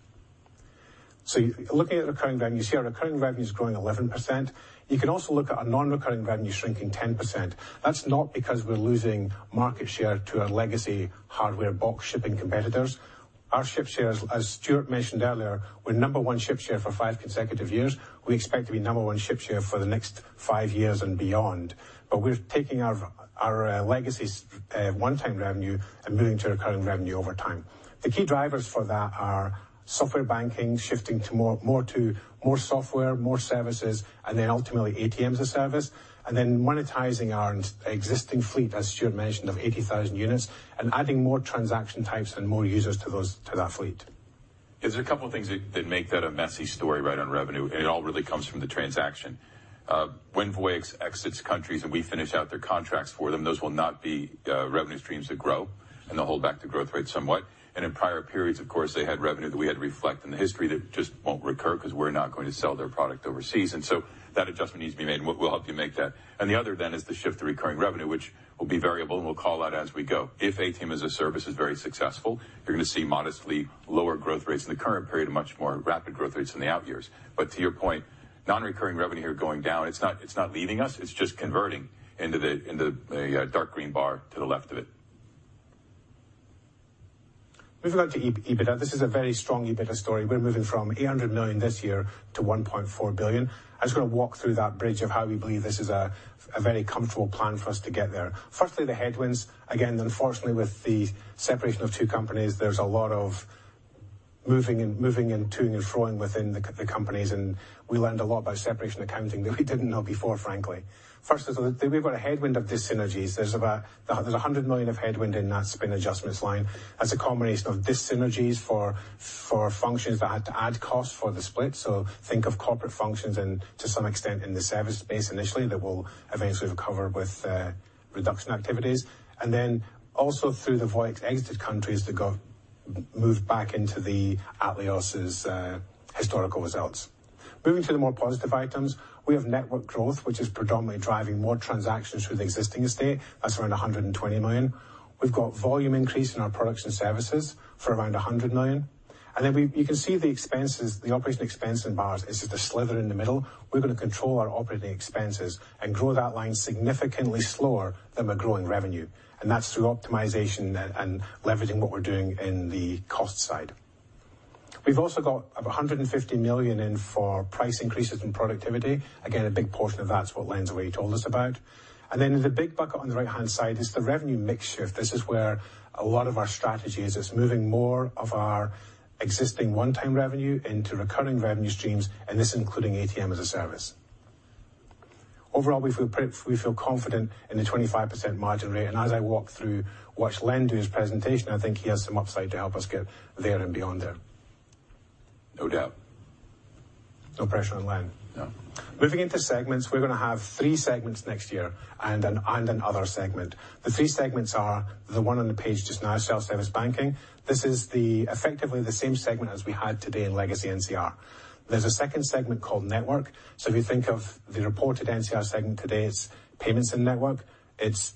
So looking at recurring revenue, you see our recurring revenue is growing 11%. You can also look at our non-recurring revenue shrinking 10%. That's not because we're losing market share to our legacy hardware box shipping competitors. Our ship shares, as Stuart mentioned earlier, we're number one ship share for five consecutive years. We expect to be number one ship share for the next five years and beyond, but we're taking our legacy one-time revenue and moving to recurring revenue over time. The key drivers for that are software banking, shifting to more software, more services, and then ultimately ATM as a Service, and then monetizing our existing fleet, as Stuart mentioned, of 80,000 units, and adding more transaction types and more users to that fleet. There's a couple of things that make that a messy story right on revenue, and it all really comes from the transaction. When Voyix exits countries, and we finish out their contracts for them, those will not be revenue streams that grow, and they'll hold back the growth rate somewhat. And in prior periods, of course, they had revenue that we had to reflect in the history that just won't recur because we're not going to sell their product overseas, and so that adjustment needs to be made, and we'll help you make that. And the other then is the shift to recurring revenue, which will be variable, and we'll call out as we go. If ATM as a Service is very successful, you're going to see modestly lower growth rates in the current period of much more rapid growth rates in the out years. But to your point, non-recurring revenue here going down, it's not, it's not leaving us, it's just converting into the dark green bar to the left of it. Moving on to adjusted EBITDA, this is a very strong EBITDA story. We're moving from $800 million this year to $1.4 billion. I'm just going to walk through that bridge of how we believe this is a very comfortable plan for us to get there. Firstly, the headwinds. Again, unfortunately, with the separation of two companies, there's a lot of moving and toing and froing within the companies, and we learned a lot about separation accounting that we didn't know before, frankly. First is we've got a headwind of dyssynergies. There's about $100 million of headwind in that spin adjustments line. As a combination of dyssynergies for functions that had to add cost for the split, so think of corporate functions and to some extent in the service space initially, that will eventually recover with reduction activities. And then also through the Voyix exited countries to move back into the Atleos's historical results. Moving to the more positive items, we have network growth, which is predominantly driving more transactions through the existing estate. That's around $120 million. We've got volume increase in our products and services for around $100 million. And then you can see the expenses, the operating expense in bars is just a sliver in the middle. We're going to control our operating expenses and grow that line significantly slower than we're growing revenue, and that's through optimization and leveraging what we're doing in the cost side. We've also got $150 million in for price increases in productivity. Again, a big portion of that's what Len's already told us about. And then the big bucket on the right-hand side is the revenue mix shift. This is where a lot of our strategy is moving more of our existing one-time revenue into recurring revenue streams, and this is including ATM as a Service. Overall, we feel confident in the 25% margin rate, and as I walk through, watch Len do his presentation, I think he has some upside to help us get there and beyond there. No doubt. No pressure on Len. No. Moving into segments, we're going to have three segments next year and another segment. The three segments are the one on the page just now, Self-Service Banking. This is the... Effectively the same segment as we had today in Legacy NCR. There's a second segment called Network. So if you think of the reported NCR segment, today's Payments & Network, it's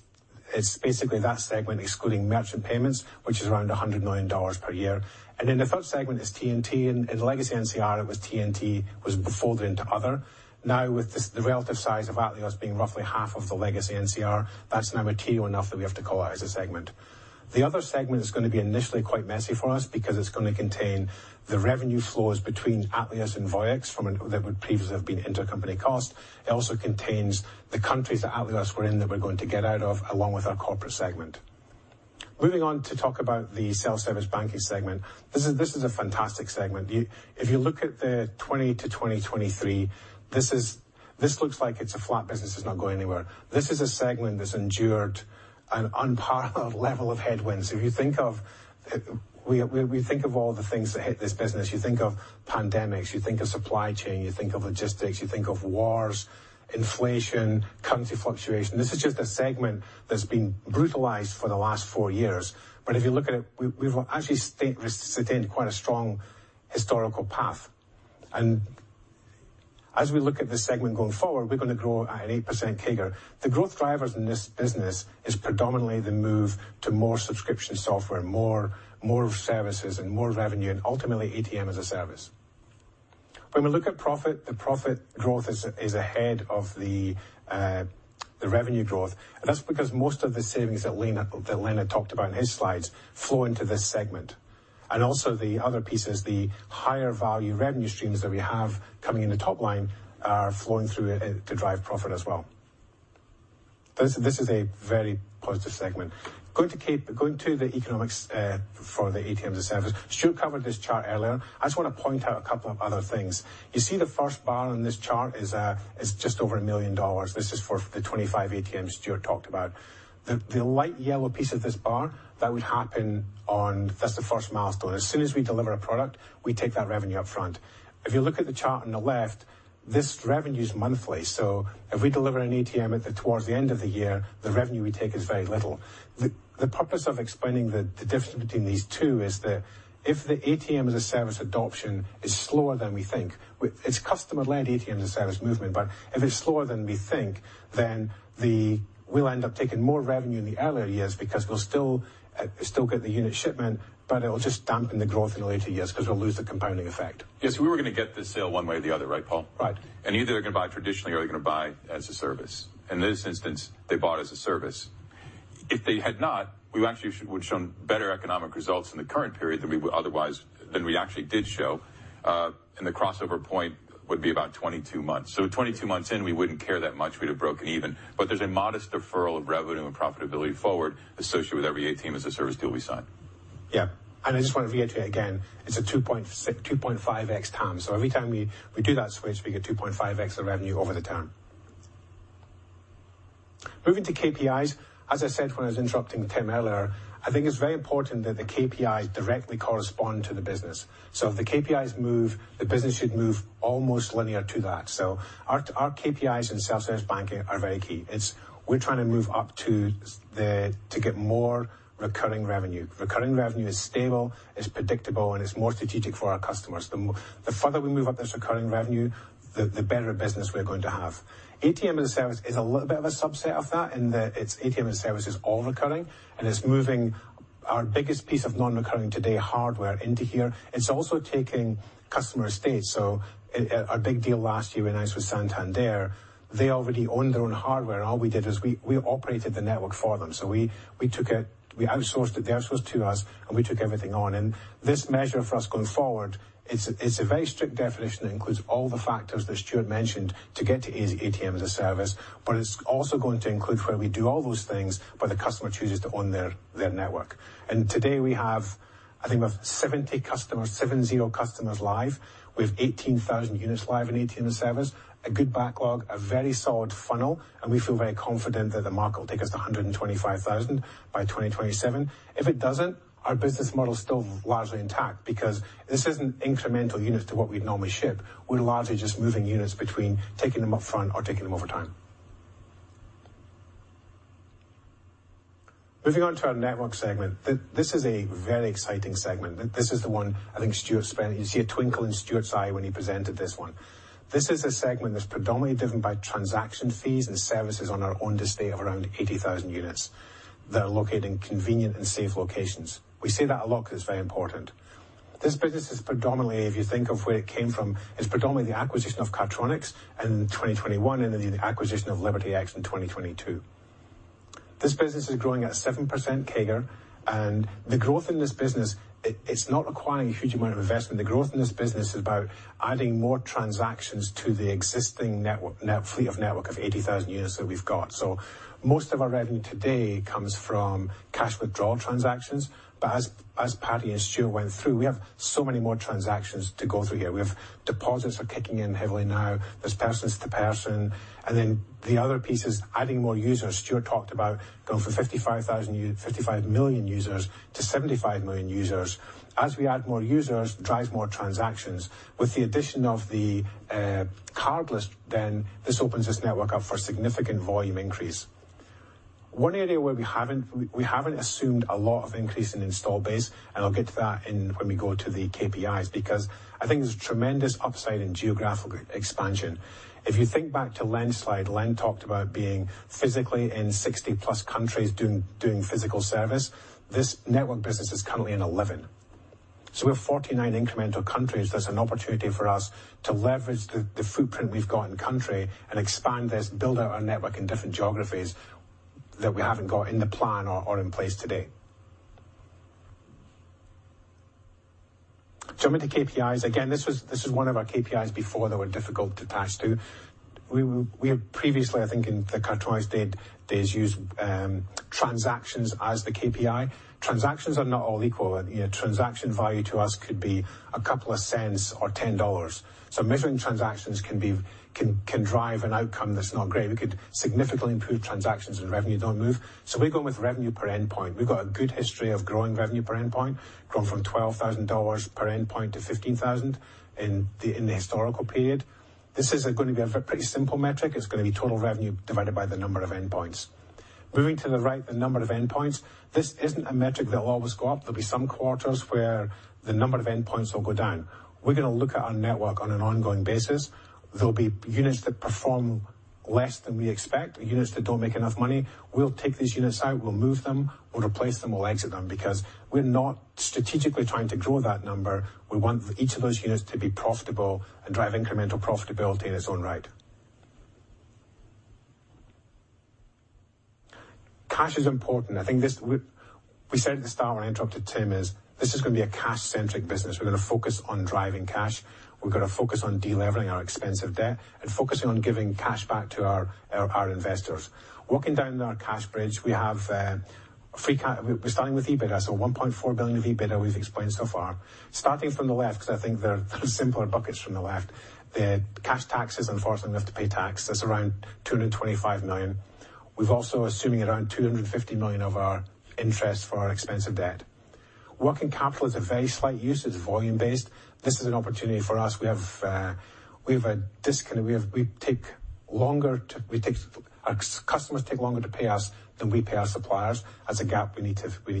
basically that segment, excluding merchant payments, which is around $100 million per year. And then the third segment is T&T, and in Legacy NCR, it was T&T, was folded into other. Now, with this, the relative size of Atleos being roughly half of the legacy NCR, that's now material enough that we have to call out as a segment. The other segment is going to be initially quite messy for us because it's going to contain the revenue flows between Atleos and Voyix from an—that would previously have been intercompany cost. It also contains the countries that Atleos we're in, that we're going to get out of, along with our corporate segment. Moving on to talk about the Self-Service Banking segment. This is, this is a fantastic segment. You—If you look at the 2020-2023, this is, this looks like it's a flat business, it's not going anywhere. This is a segment that's endured an unparalleled level of headwinds. If you think of, we think of all the things that hit this business, you think of pandemics, you think of supply chain, you think of logistics, you think of wars, inflation, currency fluctuation. This is just a segment that's been brutalized for the last four years. But if you look at it, we've actually sustained quite a strong historical path. And as we look at this segment going forward, we're going to grow at an 8% CAGR. The growth drivers in this business is predominantly the move to more subscription software, more services and more revenue, and ultimately, ATM as a Service. When we look at profit, the profit growth is ahead of the revenue growth, and that's because most of the savings that Len had talked about in his slides flow into this segment. And also the other pieces, the higher value revenue streams that we have coming in the top line are flowing through to drive profit as well.... This is a very positive segment. Going to the economics for the ATM as a Service. Stuart covered this chart earlier. I just want to point out a couple of other things. You see the first bar on this chart is just over $1 million. This is for the 25 ATMs Stuart talked about. The light yellow piece of this bar that would happen on. That's the first milestone. As soon as we deliver a product, we take that revenue upfront. If you look at the chart on the left, this revenue is monthly, so if we deliver an ATM towards the end of the year, the revenue we take is very little. The purpose of explaining the difference between these two is that if the ATM as a Service adoption is slower than we think, it's customer-led ATM as a Service movement, but if it's slower than we think, then we'll end up taking more revenue in the earlier years because we'll still still get the unit shipment, but it'll just dampen the growth in the later years because we'll lose the compounding effect. Yes, we were going to get this sale one way or the other, right, Paul? Right. Either they're going to buy traditionally or they're going to buy as a service. In this instance, they bought as a service. If they had not, we actually would've shown better economic results in the current period than we otherwise, than we actually did show, and the crossover point would be about 22 months. So at 22 months in, we wouldn't care that much. We'd have broken even. But there's a modest deferral of revenue and profitability forward associated with every ATM as a Service deal we sign. Yeah. And I just want to reiterate again, it's a 2.6-2.5x TAM. So every time we do that switch, we get 2.5x of revenue over the TAM. Moving to KPIs, as I said when I was interrupting Tim earlier, I think it's very important that the KPIs directly correspond to the business. So if the KPIs move, the business should move almost linear to that. So our KPIs in Self-Service Banking are very key. It's. We're trying to move up to the, to get more recurring revenue. Recurring revenue is stable, it's predictable, and it's more strategic for our customers. The the further we move up this recurring revenue, the better business we're going to have. ATM as a Service is a little bit of a subset of that in that it's ATM as a Service is all recurring, and it's moving our biggest piece of non-recurring today, hardware, into here. It's also taking customer estate, so our big deal last year with ICE with Santander, they already owned their own hardware. All we did is we operated the network for them. So we took it. We outsourced it. They outsourced to us, and we took everything on. This measure for us going forward, it's a very strict definition that includes all the factors that Stuart mentioned to get to ATM as a Service, but it's also going to include where we do all those things, but the customer chooses to own their network. And today we have, I think we have 70 customers live. We have 18,000 units live in ATM as a Service, a good backlog, a very solid funnel, and we feel very confident that the market will take us to 125,000 by 2027. If it doesn't, our business model is still largely intact because this isn't incremental units to what we'd normally ship. We're largely just moving units between taking them upfront or taking them over time. Moving on to our network segment. This is a very exciting segment. This is the one I think Stuart spent... You see a twinkle in Stuart's eye when he presented this one. This is a segment that's predominantly driven by transaction fees and services on our own estate of around 80,000 units that are located in convenient and safe locations. We say that a lot because it's very important. This business is predominantly, if you think of where it came from, it's predominantly the acquisition of Cardtronics in 2021 and then the acquisition of LibertyX in 2022. This business is growing at 7% CAGR, and the growth in this business, it, it's not requiring a huge amount of investment. The growth in this business is about adding more transactions to the existing network, net fleet of network of 80,000 units that we've got. So most of our revenue today comes from cash withdrawal transactions, but as, as Patty and Stuart went through, we have so many more transactions to go through here. We have deposits are kicking in heavily now. There's person-to-person, and then the other piece is adding more users. Stuart talked about going from 55,000 user-- 55 million users-75 million users. As we add more users, drive more transactions. With the addition of the cardless, then this opens this network up for significant volume increase. One area where we haven't assumed a lot of increase in install base, and I'll get to that in when we go to the KPIs, because I think there's tremendous upside in geographical expansion. If you think back to Len's slide, Len talked about being physically in 60+ countries doing physical service. This network business is currently in 11. So we have 49 incremental countries. There's an opportunity for us to leverage the footprint we've got in country and expand this, build out our network in different geographies that we haven't got in the plan or in place today. Jumping to KPIs. Again, this is one of our KPIs before that were difficult to attach to. We had previously, I think in the Cardtronics days, used transactions as the KPI. Transactions are not all equal, and, you know, transaction value to us could be a couple of cents or $10. So measuring transactions can drive an outcome that's not great. We could significantly improve transactions and revenue don't move. So we go with revenue per endpoint. We've got a good history of growing revenue per endpoint, grown from $12,000 per endpoint to $15,000 in the historical period. This is going to be a pretty simple metric. It's going to be total revenue divided by the number of endpoints. Moving to the right, the number of endpoints. This isn't a metric that will always go up. There'll be some quarters where the number of endpoints will go down. We're going to look at our network on an ongoing basis. There'll be units that perform less than we expect, units that don't make enough money. We'll take these units out, we'll move them, we'll replace them, we'll exit them, because we're not strategically trying to grow that number. We want each of those units to be profitable and drive incremental profitability in its own right... Cash is important. I think this, we said at the start, when I interrupted Tim, is this is going to be a cash-centric business. We're going to focus on driving cash. We're going to focus on delevering our expensive debt and focusing on giving cash back to our investors. Walking down our cash bridge. We're starting with EBITDA, so $1.4 billion of EBITDA we've explained so far. Starting from the left, because I think there are simpler buckets from the left, the cash taxes. Unfortunately, we have to pay tax. That's around $225 million. We've also assuming around $250 million of our interest for our expensive debt. Working capital is a very slight use. It's volume-based. This is an opportunity for us. We have a discount, and our customers take longer to pay us than we pay our suppliers. That's a gap we need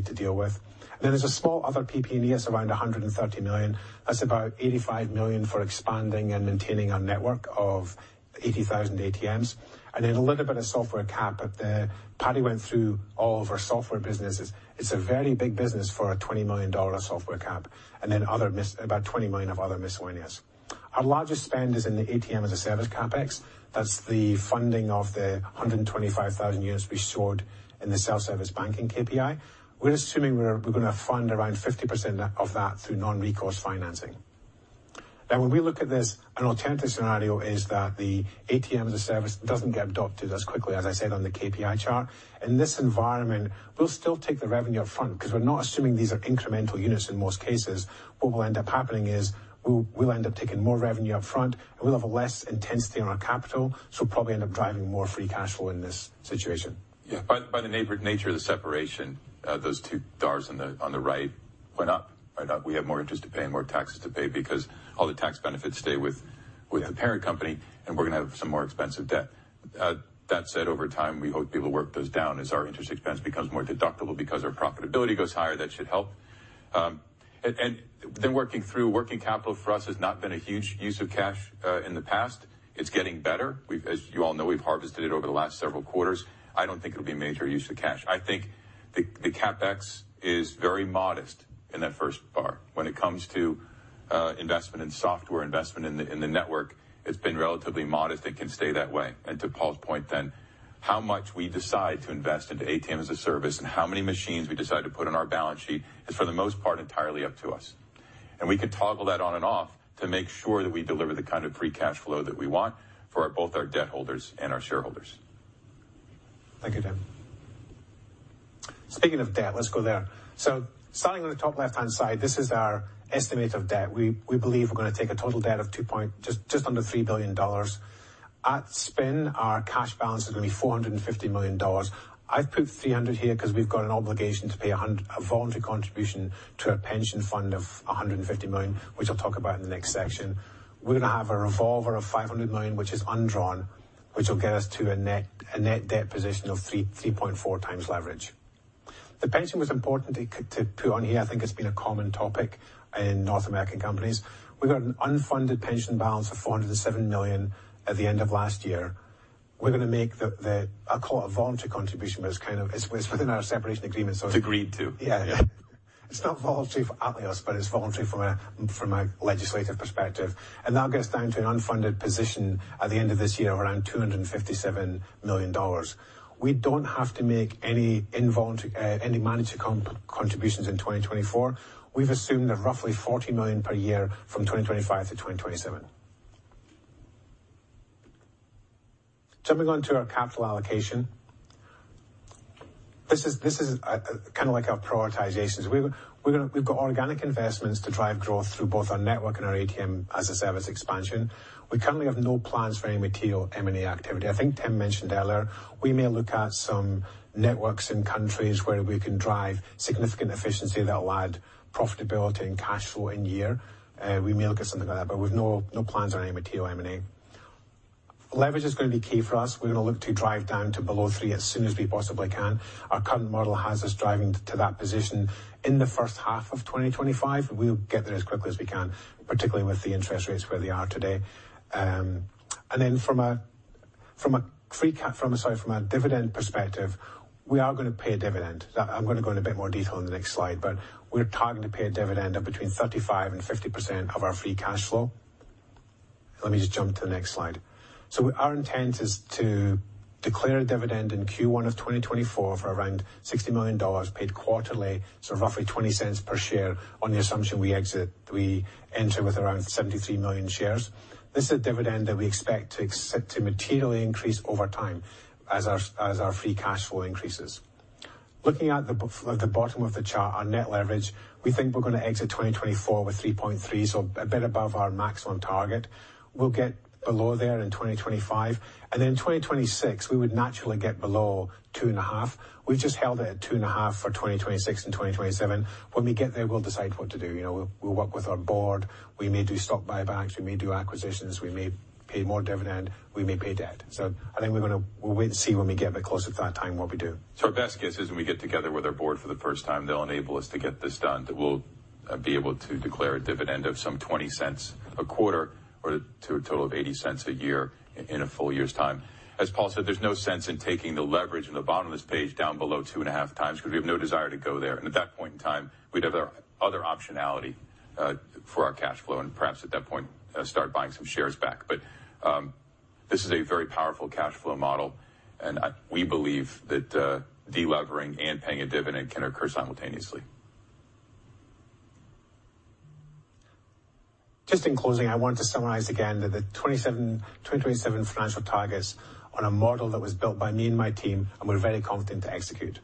to deal with. Then there's a small other PP&E. It's around $130 million. That's about $85 million for expanding and maintaining our network of 80,000 ATMs, and then a little bit of software cap. But, Patty went through all of our software businesses. It's a very big business for a $20 million software cap, and then other misc about $20 million of other miscellaneous. Our largest spend is in the ATM as a Service CapEx. That's the funding of the 125,000 units we stored in the Self-Service Banking KPI. We're assuming we're going to fund around 50% of that through non-recourse financing. Now, when we look at this, an alternative scenario is that the ATM as a Service doesn't get adopted as quickly, as I said, on the KPI chart. In this environment, we'll still take the revenue up front because we're not assuming these are incremental units in most cases. What will end up happening is we'll end up taking more revenue up front, and we'll have a less intensity on our capital, so probably end up driving more free cash flow in this situation. Yeah. By the nature of the separation, those two bars on the right went up. Went up. We have more interest to pay and more taxes to pay because all the tax benefits stay with the parent company, and we're going to have some more expensive debt. That said, over time, we hope to be able to work those down as our interest expense becomes more deductible because our profitability goes higher. That should help. And then working through working capital for us has not been a huge use of cash in the past. It's getting better. We've, as you all know, we've harvested it over the last several quarters. I don't think it'll be a major use of cash. I think the CapEx is very modest in that first bar. When it comes to investment in software, investment in the network, it's been relatively modest and can stay that way. And to Paul's point, then, how much we decide to invest into ATM as a Service and how many machines we decide to put on our balance sheet is, for the most part, entirely up to us. And we can toggle that on and off to make sure that we deliver the kind of free cash flow that we want for both our debt holders and our shareholders. Thank you, Tim. Speaking of debt, let's go there. So starting on the top left-hand side, this is our estimate of debt. We believe we're going to take a total debt just under $3 billion. At spin, our cash balance is going to be $450 million. I've put 300 here because we've got an obligation to pay a voluntary contribution to our pension fund of $150 million, which I'll talk about in the next section. We're going to have a revolver of $500 million, which is undrawn, which will get us to a net debt position of 3.4x leverage. The pension was important to put on here. I think it's been a common topic in North American companies. We've got an unfunded pension balance of $407 million at the end of last year. We're going to make the, I call it a voluntary contribution, but it's kind of- it's within our separation agreement, so- It's agreed to. Yeah. It's not voluntary for us, but it's voluntary from a legislative perspective, and that gets down to an unfunded position at the end of this year of around $257 million. We don't have to make any involuntary, any mandatory comp contributions in 2024. We've assumed that roughly $40 million per year from 2025-2027. Jumping onto our capital allocation. This is kind of like our prioritizations. We're gonna. We've got organic investments to drive growth through both our network and our ATM as a Service expansion. We currently have no plans for any material M&A activity. I think Tim mentioned earlier, we may look at some networks in countries where we can drive significant efficiency that will add profitability and cash flow in year. We may look at something like that, but we've no, no plans on any material M&A. Leverage is going to be key for us. We're going to look to drive down to below three as soon as we possibly can. Our current model has us driving to that position in the first half of 2025. We'll get there as quickly as we can, particularly with the interest rates where they are today. And then from a dividend perspective, we are going to pay a dividend. That I'm going to go into a bit more detail in the next slide, but we're targeting to pay a dividend of between 35% and 50% of our free cash flow. Let me just jump to the next slide. So our intent is to declare a dividend in Q1 of 2024 for around $60 million, paid quarterly, so roughly $0.20 per share on the assumption we exit, we enter with around 73 million shares. This is a dividend that we expect to materially increase over time as our free cash flow increases. Looking at the bottom of the chart, our net leverage, we think we're going to exit 2024 with 3.3, so a bit above our max on target. We'll get below there in 2025, and then 2026, we would naturally get below 2.5. We've just held it at 2.5 for 2026 and 2027. When we get there, we'll decide what to do. You know, we'll work with our board. We may do stock buybacks, we may do acquisitions, we may pay more dividend, we may pay debt. So I think we're going to wait and see when we get a bit closer to that time, what we do. So our best guess is when we get together with our board for the first time, they'll enable us to get this done. That we'll be able to declare a dividend of some $0.20 a quarter or to a total of $0.80 a year in a full year's time. As Paul said, there's no sense in taking the leverage in the bottom of this page down below 2.5 times because we have no desire to go there. And at that point in time, we'd have our other optionality for our cash flow, and perhaps at that point start buying some shares back. But this is a very powerful cash flow model, and we believe that delevering and paying a dividend can occur simultaneously.... Just in closing, I want to summarize again that the 2027 financial targets on a model that was built by me and my team, and we're very confident to execute.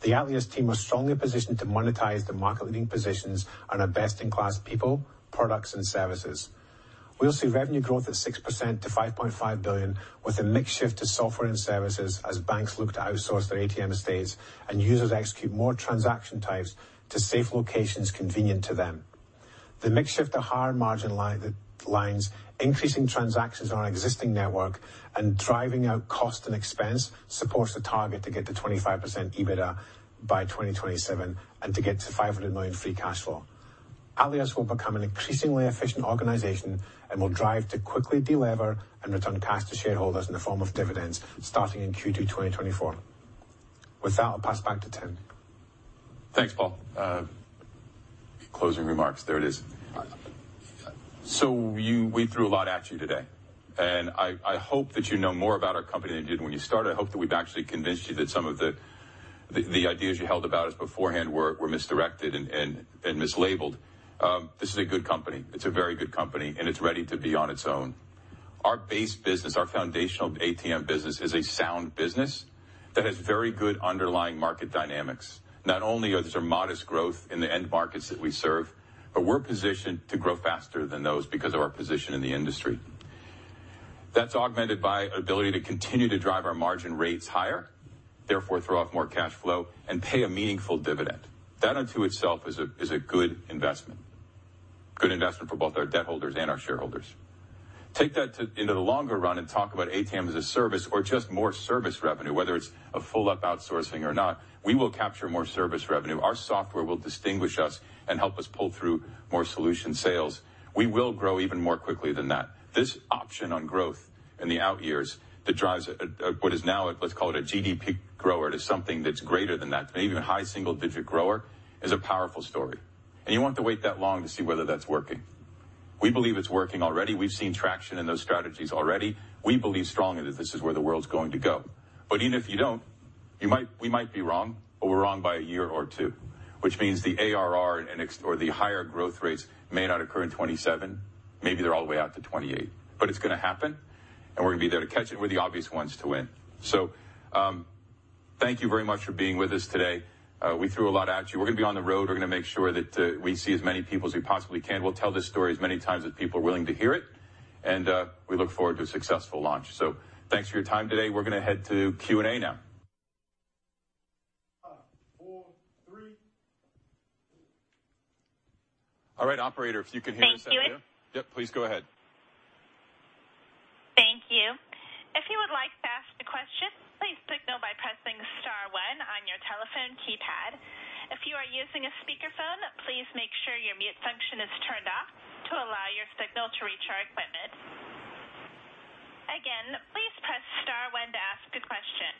The Atleos team are strongly positioned to monetize the market-leading positions on our best-in-class people, products, and services. We'll see revenue growth at 6% to $5.5 billion, with a mix shift to software and services as banks look to outsource their ATM estates and users execute more transaction types to safe locations convenient to them. The mix shift to higher margin lines, increasing transactions on our existing network, and driving out cost and expense, supports the target to get to 25% EBITDA by 2027 and to get to $500 million free cash flow. Atleos will become an increasingly efficient organization and will drive to quickly delever and return cash to shareholders in the form of dividends starting in Q2 2024. With that, I'll pass it back to Tim. Thanks, Paul. Closing remarks. There it is. So we threw a lot at you today, and I hope that you know more about our company than you did when you started. I hope that we've actually convinced you that some of the ideas you held about us beforehand were misdirected and mislabeled. This is a good company. It's a very good company, and it's ready to be on its own. Our base business, our foundational ATM business, is a sound business that has very good underlying market dynamics. Not only are there modest growth in the end markets that we serve, but we're positioned to grow faster than those because of our position in the industry. That's augmented by our ability to continue to drive our margin rates higher, therefore, throw off more cash flow and pay a meaningful dividend. That unto itself is a good investment. Good investment for both our debt holders and our shareholders. Take that into the longer run and talk about ATM as a Service or just more service revenue, whether it's a full-up outsourcing or not, we will capture more service revenue. Our software will distinguish us and help us pull through more solution sales. We will grow even more quickly than that. This option on growth in the out years that drives a what is now, let's call it a GDP grower, to something that's greater than that, maybe even a high single-digit grower, is a powerful story, and you won't have to wait that long to see whether that's working. We believe it's working already. We've seen traction in those strategies already. We believe strongly that this is where the world's going to go. But even if you don't, we might be wrong, but we're wrong by a year or two, which means the ARR or the higher growth rates may not occur in 2027. Maybe they're all the way out to 2028, but it's gonna happen, and we're going to be there to catch it. We're the obvious ones to win. So, thank you very much for being with us today. We threw a lot at you. We're gonna be on the road. We're gonna make sure that we see as many people as we possibly can. We'll tell this story as many times as people are willing to hear it, and we look forward to a successful launch. So thanks for your time today. We're gonna head to Q&A now. 4, 3. All right, operator, if you can hear us out there. Thank you. Yep, please go ahead. Thank you. If you would like to ask a question, please signal by pressing star one on your telephone keypad. If you are using a speakerphone, please make sure your mute function is turned off to allow your signal to reach our equipment. Again, please press star one to ask a question.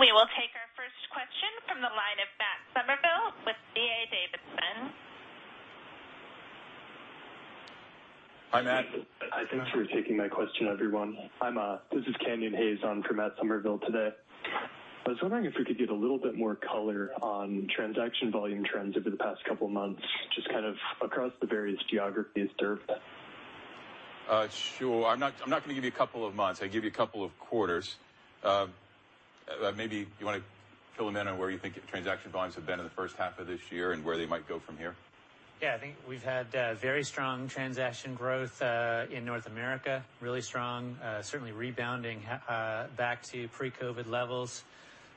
We will take our first question from the line of Matt Summerville with D.A. Davidson. Hi, Matt. I thank you for taking my question, everyone. This is Canyon Hays on for Matt Summerville today. I was wondering if we could get a little bit more color on transaction volume trends over the past couple of months, just kind of across the various geographies there. Sure. I'm not, I'm not going to give you a couple of months. I'll give you a couple of quarters. Maybe you want to fill them in on where you think transaction volumes have been in the first half of this year and where they might go from here? Yeah, I think we've had very strong transaction growth in North America. Really strong, certainly rebounding back to pre-COVID levels.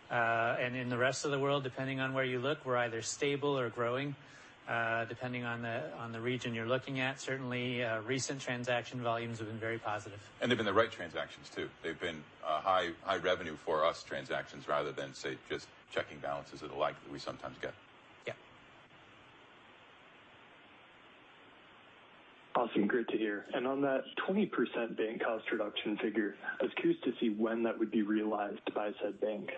And in the rest of the world, depending on where you look, we're either stable or growing, depending on the region you're looking at. Certainly, recent transaction volumes have been very positive. They've been the right transactions, too. They've been high, high revenue for us transactions rather than, say, just checking balances and the like that we sometimes get. Yeah. Awesome. Great to hear. On that 20% bank cost reduction figure, I was curious to see when that would be realized by said bank?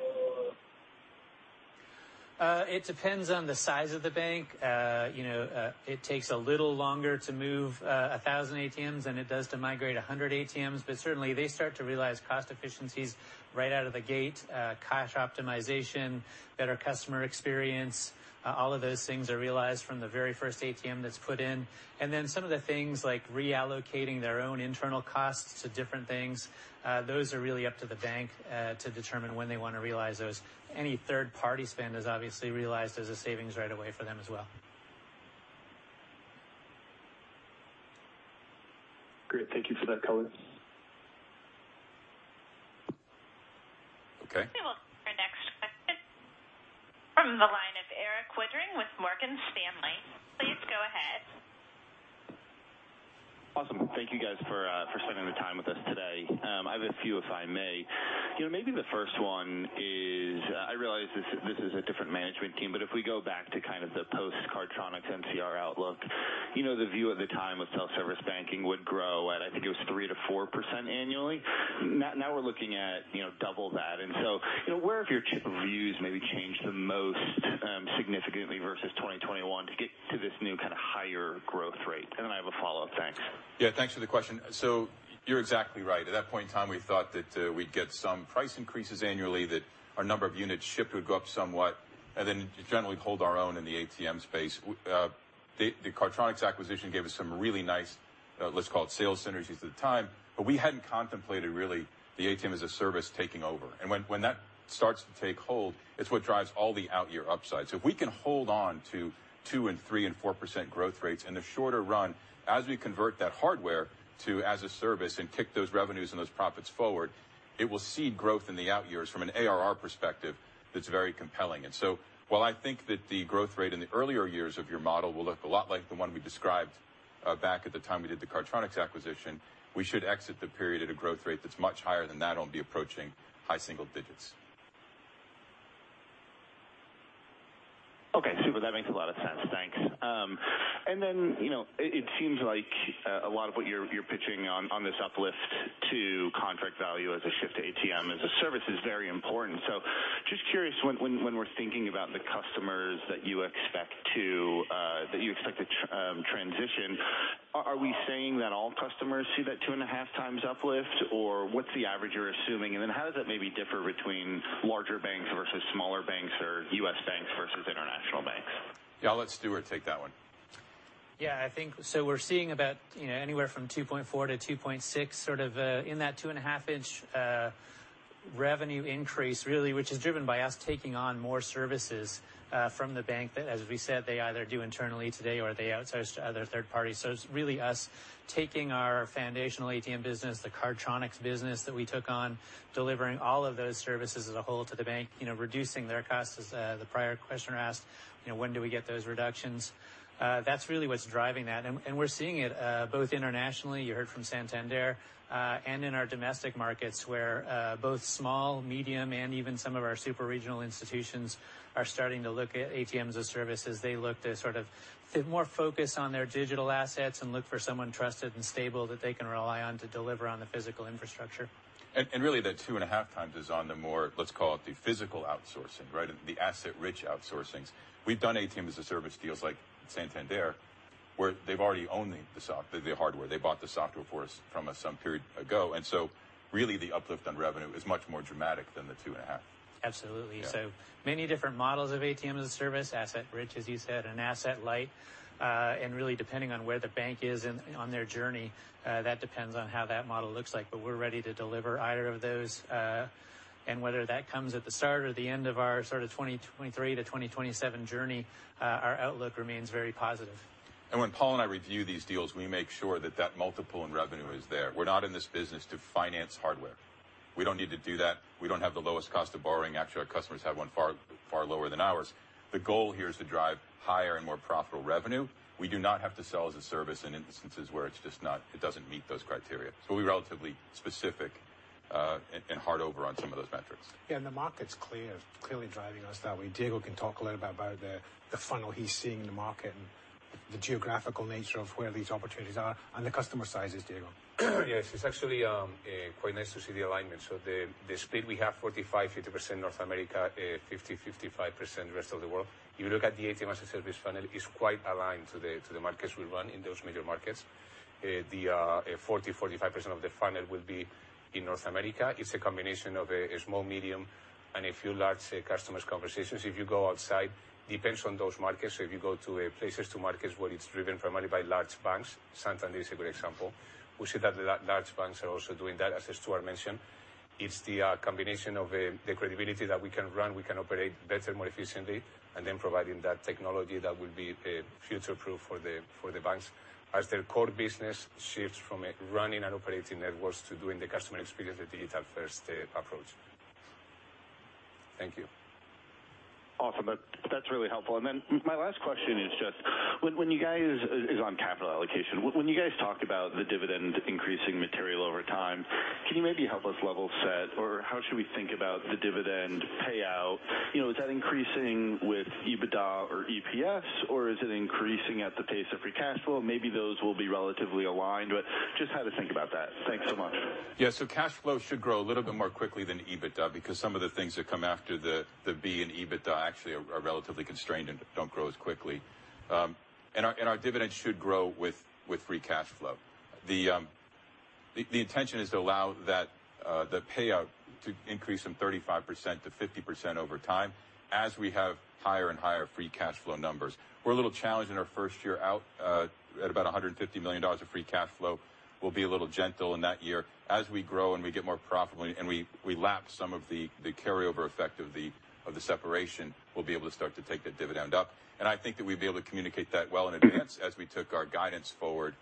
It depends on the size of the bank. You know, it takes a little longer to move 1,000 ATMs than it does to migrate 100 ATMs, but certainly, they start to realize cost efficiencies right out of the gate. Cash optimization, better customer experience, all of those things are realized from the very first ATM that's put in. And then some of the things like reallocating their own internal costs to different things, those are really up to the bank to determine when they want to realize those. Any third-party spend is obviously realized as a savings right away for them as well. Great, thank you for that color. Okay. We will take our next question from the line of Eric Woodring with Morgan Stanley. Please go ahead. Awesome. Thank you, guys, for spending the time with us today. I have a few, if I may. You know, maybe the first one is... I realize this, this is a different management team, but if we go back to kind of the post-Cardtronics NCR outlook, you know, the view at the time was Self-Service Banking would grow at, I think it was 3%-4% annually. Now we're looking at, you know, double that. And so, you know, where have your views maybe changed the most, significantly versus 2021 to get to this new kind of higher-... and I have a follow-up. Thanks. Yeah, thanks for the question. So you're exactly right. At that point in time, we thought that we'd get some price increases annually, that our number of units shipped would go up somewhat, and then generally hold our own in the ATM space. The Cardtronics acquisition gave us some really nice, let's call it sales synergies at the time, but we hadn't contemplated really the ATM as a Service taking over. And when that starts to take hold, it's what drives all the out-year upsides. So if we can hold on to 2% and 3% and 4% growth rates in the shorter run as we convert that hardware to as a service and kick those revenues and those profits forward, it will seed growth in the out years from an ARR perspective that's very compelling. While I think that the growth rate in the earlier years of your model will look a lot like the one we described back at the time we did the Cardtronics acquisition, we should exit the period at a growth rate that's much higher than that and be approaching high single digits. Okay, super. That makes a lot of sense. Thanks. And then, you know, it seems like a lot of what you're pitching on this uplift to contract value as a shift to ATM as a Service is very important. So just curious, when we're thinking about the customers that you expect to transition, are we saying that all customers see that 2.5 times uplift, or what's the average you're assuming? And then how does that maybe differ between larger banks versus smaller banks or U.S. banks versus international banks? Yeah, I'll let Stuart take that one. Yeah, I think so we're seeing about, you know, anywhere from 2.4-2.6, sort of, in that 2.5-ish, revenue increase, really, which is driven by us taking on more services, from the bank, that as we said, they either do internally today or they outsource to other third parties. So it's really us taking our foundational ATM business, the Cardtronics business that we took on, delivering all of those services as a whole to the bank, you know, reducing their costs. As, the prior questioner asked, you know, "When do we get those reductions?" That's really what's driving that. We're seeing it both internationally, you heard from Santander, and in our domestic markets where both small, medium, and even some of our super-regional institutions are starting to look ATM as a Service as they look to sort of get more focus on their digital assets and look for someone trusted and stable that they can rely on to deliver on the physical infrastructure. And really, that 2.5x is on the more, let's call it the physical outsourcing, right? The asset-rich outsourcings. We've done ATM-as-a-Service deals like Santander, where they've already owned the software, the hardware. They bought the software from us some period ago, and so really the uplift on revenue is much more dramatic than the 2.5. Absolutely. Yeah. So many different models of ATM-as-a-Service, asset rich, as you said, and asset light, and really, depending on where the bank is in, on their journey, that depends on how that model looks like. But we're ready to deliver either of those, and whether that comes at the start or the end of our sort of 2023-2027 journey, our outlook remains very positive. When Paul and I review these deals, we make sure that that multiple and revenue is there. We're not in this business to finance hardware. We don't need to do that. We don't have the lowest cost of borrowing. Actually, our customers have one far, far lower than ours. The goal here is to drive higher and more profitable revenue. We do not have to sell as a service in instances where it's just not... it doesn't meet those criteria. So we're relatively specific and hard over on some of those metrics. Yeah, and the market's clear, clearly driving us that way. Diego can talk a little about the funnel he's seeing in the market and the geographical nature of where these opportunities are and the customer sizes, Diego. Yes, it's actually quite nice to see the alignment. So the split, we have 45-50% North America, 50-55% rest of the world. You look at the ATM-as-a-Service funnel, it's quite aligned to the markets we run in those major markets. The 45% of the funnel will be in North America. It's a combination of a small, medium, and a few large customer conversations. If you go outside, depends on those markets. So if you go to places to markets where it's driven primarily by large banks, Santander is a good example, we see that the large banks are also doing that, as Stuart mentioned. It's the combination of the credibility that we can run, we can operate better and more efficiently, and then providing that technology that will be future-proof for the banks as their core business shifts from a running and operating networks to doing the customer experience, the digital-first approach. Thank you. Awesome. That's really helpful. And then my last question is just when you guys... is on capital allocation. When you guys talk about the dividend increasing materially over time, can you maybe help us level set, or how should we think about the dividend payout? You know, is that increasing with EBITDA or EPS, or is it increasing at the pace of free cash flow? Maybe those will be relatively aligned, but just how to think about that. Thanks so much. Yeah, so cash flow should grow a little bit more quickly than EBITDA, because some of the things that come after the B in EBITDA actually are relatively constrained and don't grow as quickly. And our dividends should grow with free cash flow. The intention is to allow that the payout to increase from 35%-50% over time as we have higher and higher free cash flow numbers. We're a little challenged in our first year out at about $150 million of free cash flow. We'll be a little gentle in that year. As we grow, and we get more profitable, and we lap some of the carryover effect of the separation, we'll be able to start to take that dividend up, and I think that we'll be able to communicate that well in advance as we took our guidance forward,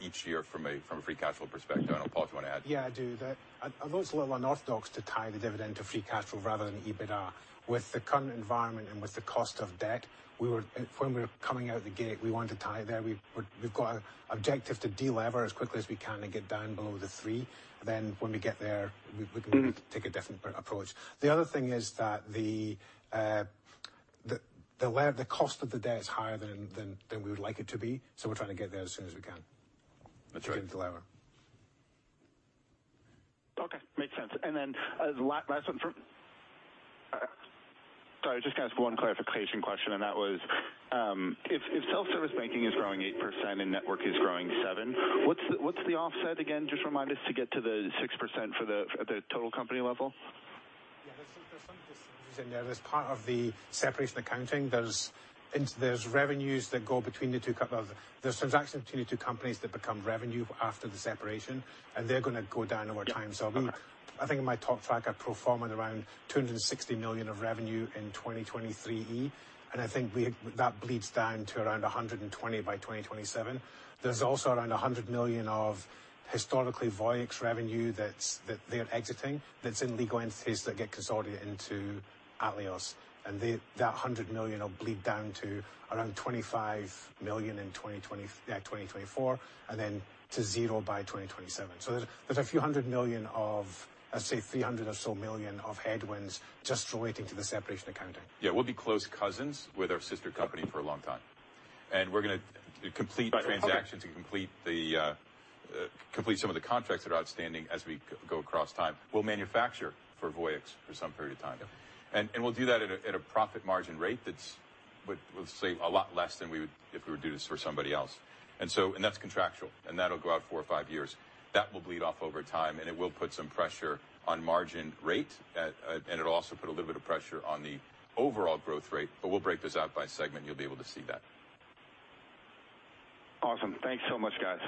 each year from a free cash flow perspective. I don't know, Paul, if you want to add? Yeah, I do. I'm also a little unorthodox to tie the dividend to free cash flow rather than EBITDA. With the current environment and with the cost of debt, when we were coming out of the gate, we wanted to tie it there. We've got an objective to delever as quickly as we can and get down below the three. Then when we get there, we can take a different approach. The other thing is that the cost of the debt is higher than we would like it to be, so we're trying to get there as soon as we can. That's right. -to delever.... Makes sense. And then, the last one—sorry, just going to ask one clarification question, and that was, if Self-Service Banking is growing 8% and network is growing 7%, what's the offset again? Just remind us to get to the 6% for the, at the total company level. Yeah, there's some synergies in there. As part of the separation accounting, there's revenues that go between the two companies. There's transactions between the two companies that become revenue after the separation, and they're going to go down over time. Yeah. So I think in my talk track, I pro forma around $260 million of revenue in 2023E, and I think that bleeds down to around $120 million by 2027. There's also around $100 million of historically Voyix revenue that's, that they're exiting, that's in legal entities that get consolidated into Atleos. And the, that $100 million will bleed down to around $25 million in twenty twenty, yeah, 2024, and then to zero by 2027. So there's, there's a few hundred million of, let's say, $300 million or so of headwinds just relating to the separation accounting. Yeah, we'll be close cousins with our sister company for a long time, and we're going to complete the transaction to complete some of the contracts that are outstanding as we go across time. We'll manufacture for Voyix for some period of time. Yeah. And we'll do that at a profit margin rate that's, let's say, a lot less than we would if we were to do this for somebody else. And so that's contractual, and that'll go out four or five years. That will bleed off over time, and it will put some pressure on margin rate, and it'll also put a little bit of pressure on the overall growth rate, but we'll break this out by segment, you'll be able to see that. Awesome. Thanks so much, guys.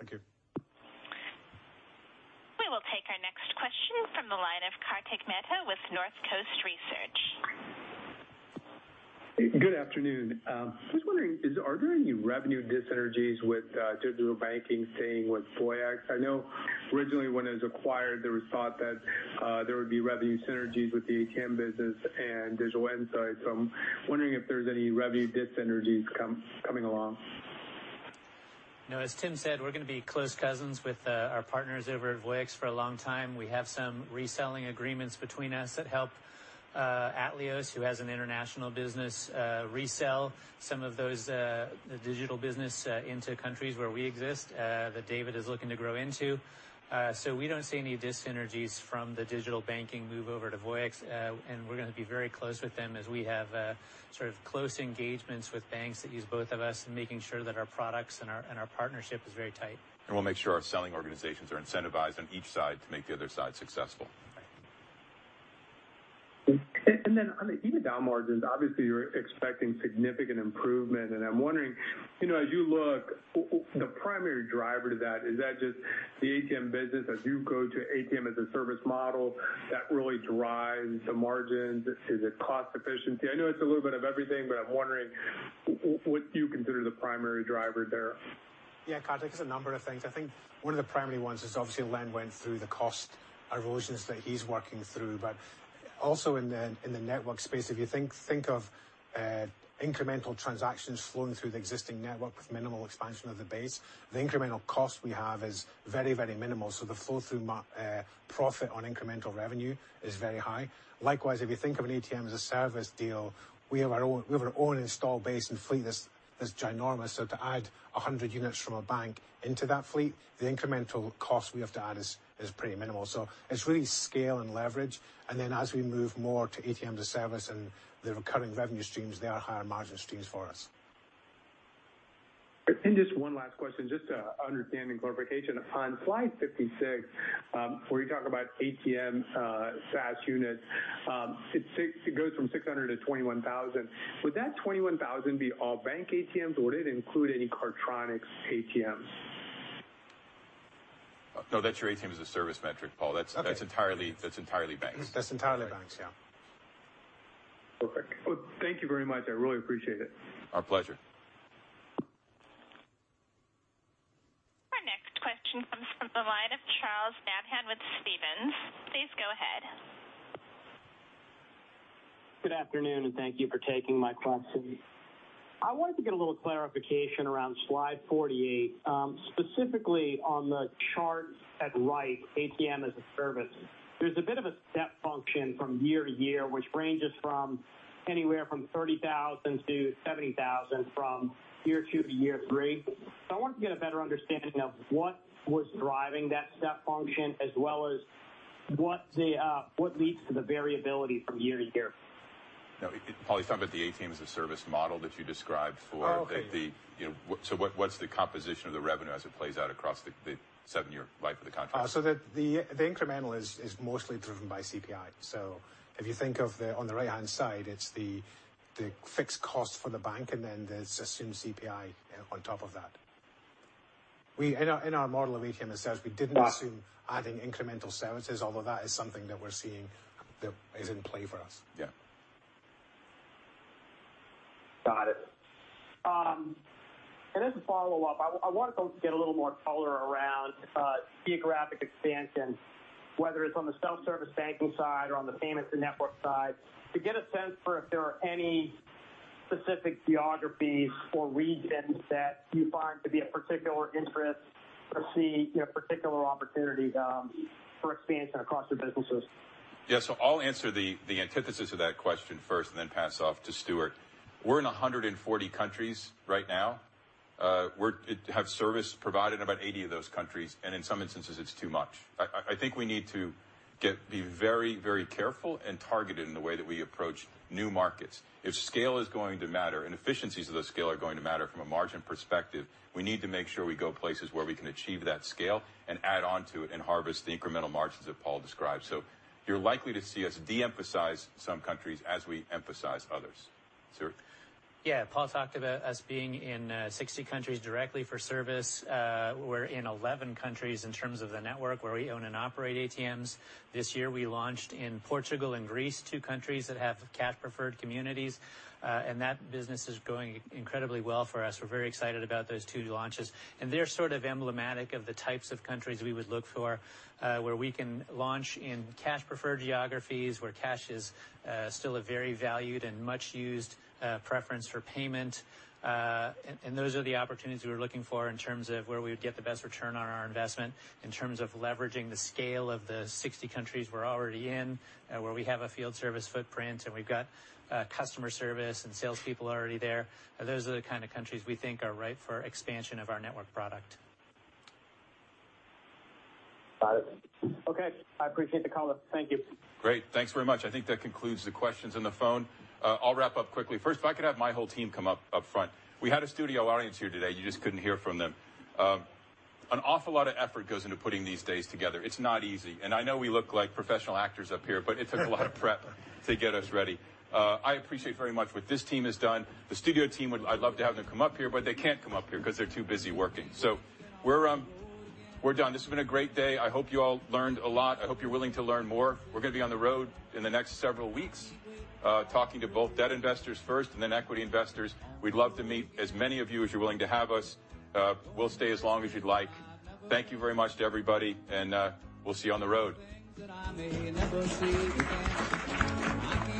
Thank you. We will take our next question from the line of Kartik Mehta with North Coast Research. Good afternoon. I was wondering, are there any revenue dis-synergies with digital banking staying with Voyix? I know originally when it was acquired, there was thought that there would be revenue synergies with the ATM business and digital insights. So I'm wondering if there's any revenue dis-synergies coming along. No, as Tim said, we're going to be close cousins with our partners over at Voyix for a long time. We have some reselling agreements between us that help Atleos, who has an international business, resell some of those digital business into countries where we exist that David is looking to grow into. So we don't see any dyssynergies from the digital banking move over to Voyix, and we're going to be very close with them as we have sort of close engagements with banks that use both of us and making sure that our products and our partnership is very tight. We'll make sure our selling organizations are incentivized on each side to make the other side successful. Then on the down margins, obviously, you're expecting significant improvement, and I'm wondering, you know, as you look, the primary driver to that, is that just the ATM business, as you go to ATM as a Service model that really drives the margins? Is it cost efficiency? I know it's a little bit of everything, but I'm wondering what you consider the primary driver there? Yeah, Kartik, it's a number of things. I think one of the primary ones is obviously Len went through the cost erosions that he's working through, but also in the network space, if you think of incremental transactions flowing through the existing network with minimal expansion of the base, the incremental cost we have is very, very minimal, so the flow through profit on incremental revenue is very high. Likewise, if you think of an ATM as a Service deal, we have our own, we have our own installed base and fleet that's, that's ginormous. So to add 100 units from a bank into that fleet, the incremental cost we have to add is pretty minimal. It's really scale and leverage, and then as we move more to ATM as a Service and the recurring revenue streams, they are higher margin streams for us. And just one last question, just to understanding clarification. On slide 56, where you talk about ATM SaaS units, it goes from 600 to 21,000. Would that 21,000 be all bank ATMs, or would it include any Cardtronics ATMs? No, that's your ATM as a Service metric, Paul. Okay. That's entirely banks. That's entirely banks, yeah. Perfect. Well, thank you very much. I really appreciate it. Our pleasure. Our next question comes from the line of Charles Nabhan with Stephens. Please go ahead. Good afternoon, and thank you for taking my question. I wanted to get a little clarification around slide 48, specifically on the chart at right, ATM as a Service. There's a bit of a step function from year to year, which ranges from anywhere from 30,000 to 70,000, from year two to year three. So I wanted to get a better understanding of what was driving that step function, as well as what the what leads to the variability from year to year? Now, Paul, he's talking about the ATM as a Service model that you described before. Oh, okay. So what, what's the composition of the revenue as it plays out across the seven-year life of the contract? So the incremental is mostly driven by CPI. So if you think of on the right-hand side, it's the fixed cost for the bank, and then there's assumed CPI on top of that. In our model of ATM ourselves, we didn't assume adding incremental services, although that is something that we're seeing that is in play for us. Yeah. Got it. As a follow-up, I wanted to get a little more color around geographic expansion, whether it's on the Self-Service Banking side or on the Payments & Network side, to get a sense for if there are any specific geographies or regions that you find to be of particular interest or see, you know, particular opportunities for expansion across the businesses. Yeah. So I'll answer the antithesis of that question first and then pass off to Stuart. We're in 140 countries right now. We have service provided in about 80 of those countries, and in some instances, it's too much. I think we need to be very, very careful and targeted in the way that we approach new markets. If scale is going to matter, and efficiencies of those scale are going to matter from a margin perspective, we need to make sure we go places where we can achieve that scale and add on to it and harvest the incremental margins that Paul described. So you're likely to see us de-emphasize some countries as we emphasize others. Sir? Yeah, Paul talked about us being in 60 countries directly for service. We're in 11 countries in terms of the network, where we own and operate ATMs. This year, we launched in Portugal and Greece, two countries that have cash-preferred communities, and that business is going incredibly well for us. We're very excited about those two launches, and they're sort of emblematic of the types of countries we would look for, where we can launch in cash-preferred geographies, where cash is still a very valued and much-used preference for payment. And those are the opportunities we're looking for in terms of where we would get the best return on our investment, in terms of leveraging the scale of the 60 countries we're already in, where we have a field service footprint, and we've got customer service and salespeople already there. Those are the kind of countries we think are right for expansion of our network product. Got it. Okay, I appreciate the call. Thank you. Great. Thanks very much. I think that concludes the questions on the phone. I'll wrap up quickly. First, if I could have my whole team come up front. We had a studio audience here today. You just couldn't hear from them. An awful lot of effort goes into putting these days together. It's not easy, and I know we look like professional actors up here, but it took a lot of prep to get us ready. I appreciate very much what this team has done. The studio team, I'd love to have them come up here, but they can't come up here because they're too busy working. So we're done. This has been a great day. I hope you all learned a lot. I hope you're willing to learn more. We're going to be on the road in the next several weeks, talking to both debt investors first and then equity investors. We'd love to meet as many of you as you're willing to have us. We'll stay as long as you'd like. Thank you very much to everybody, and we'll see you on the road.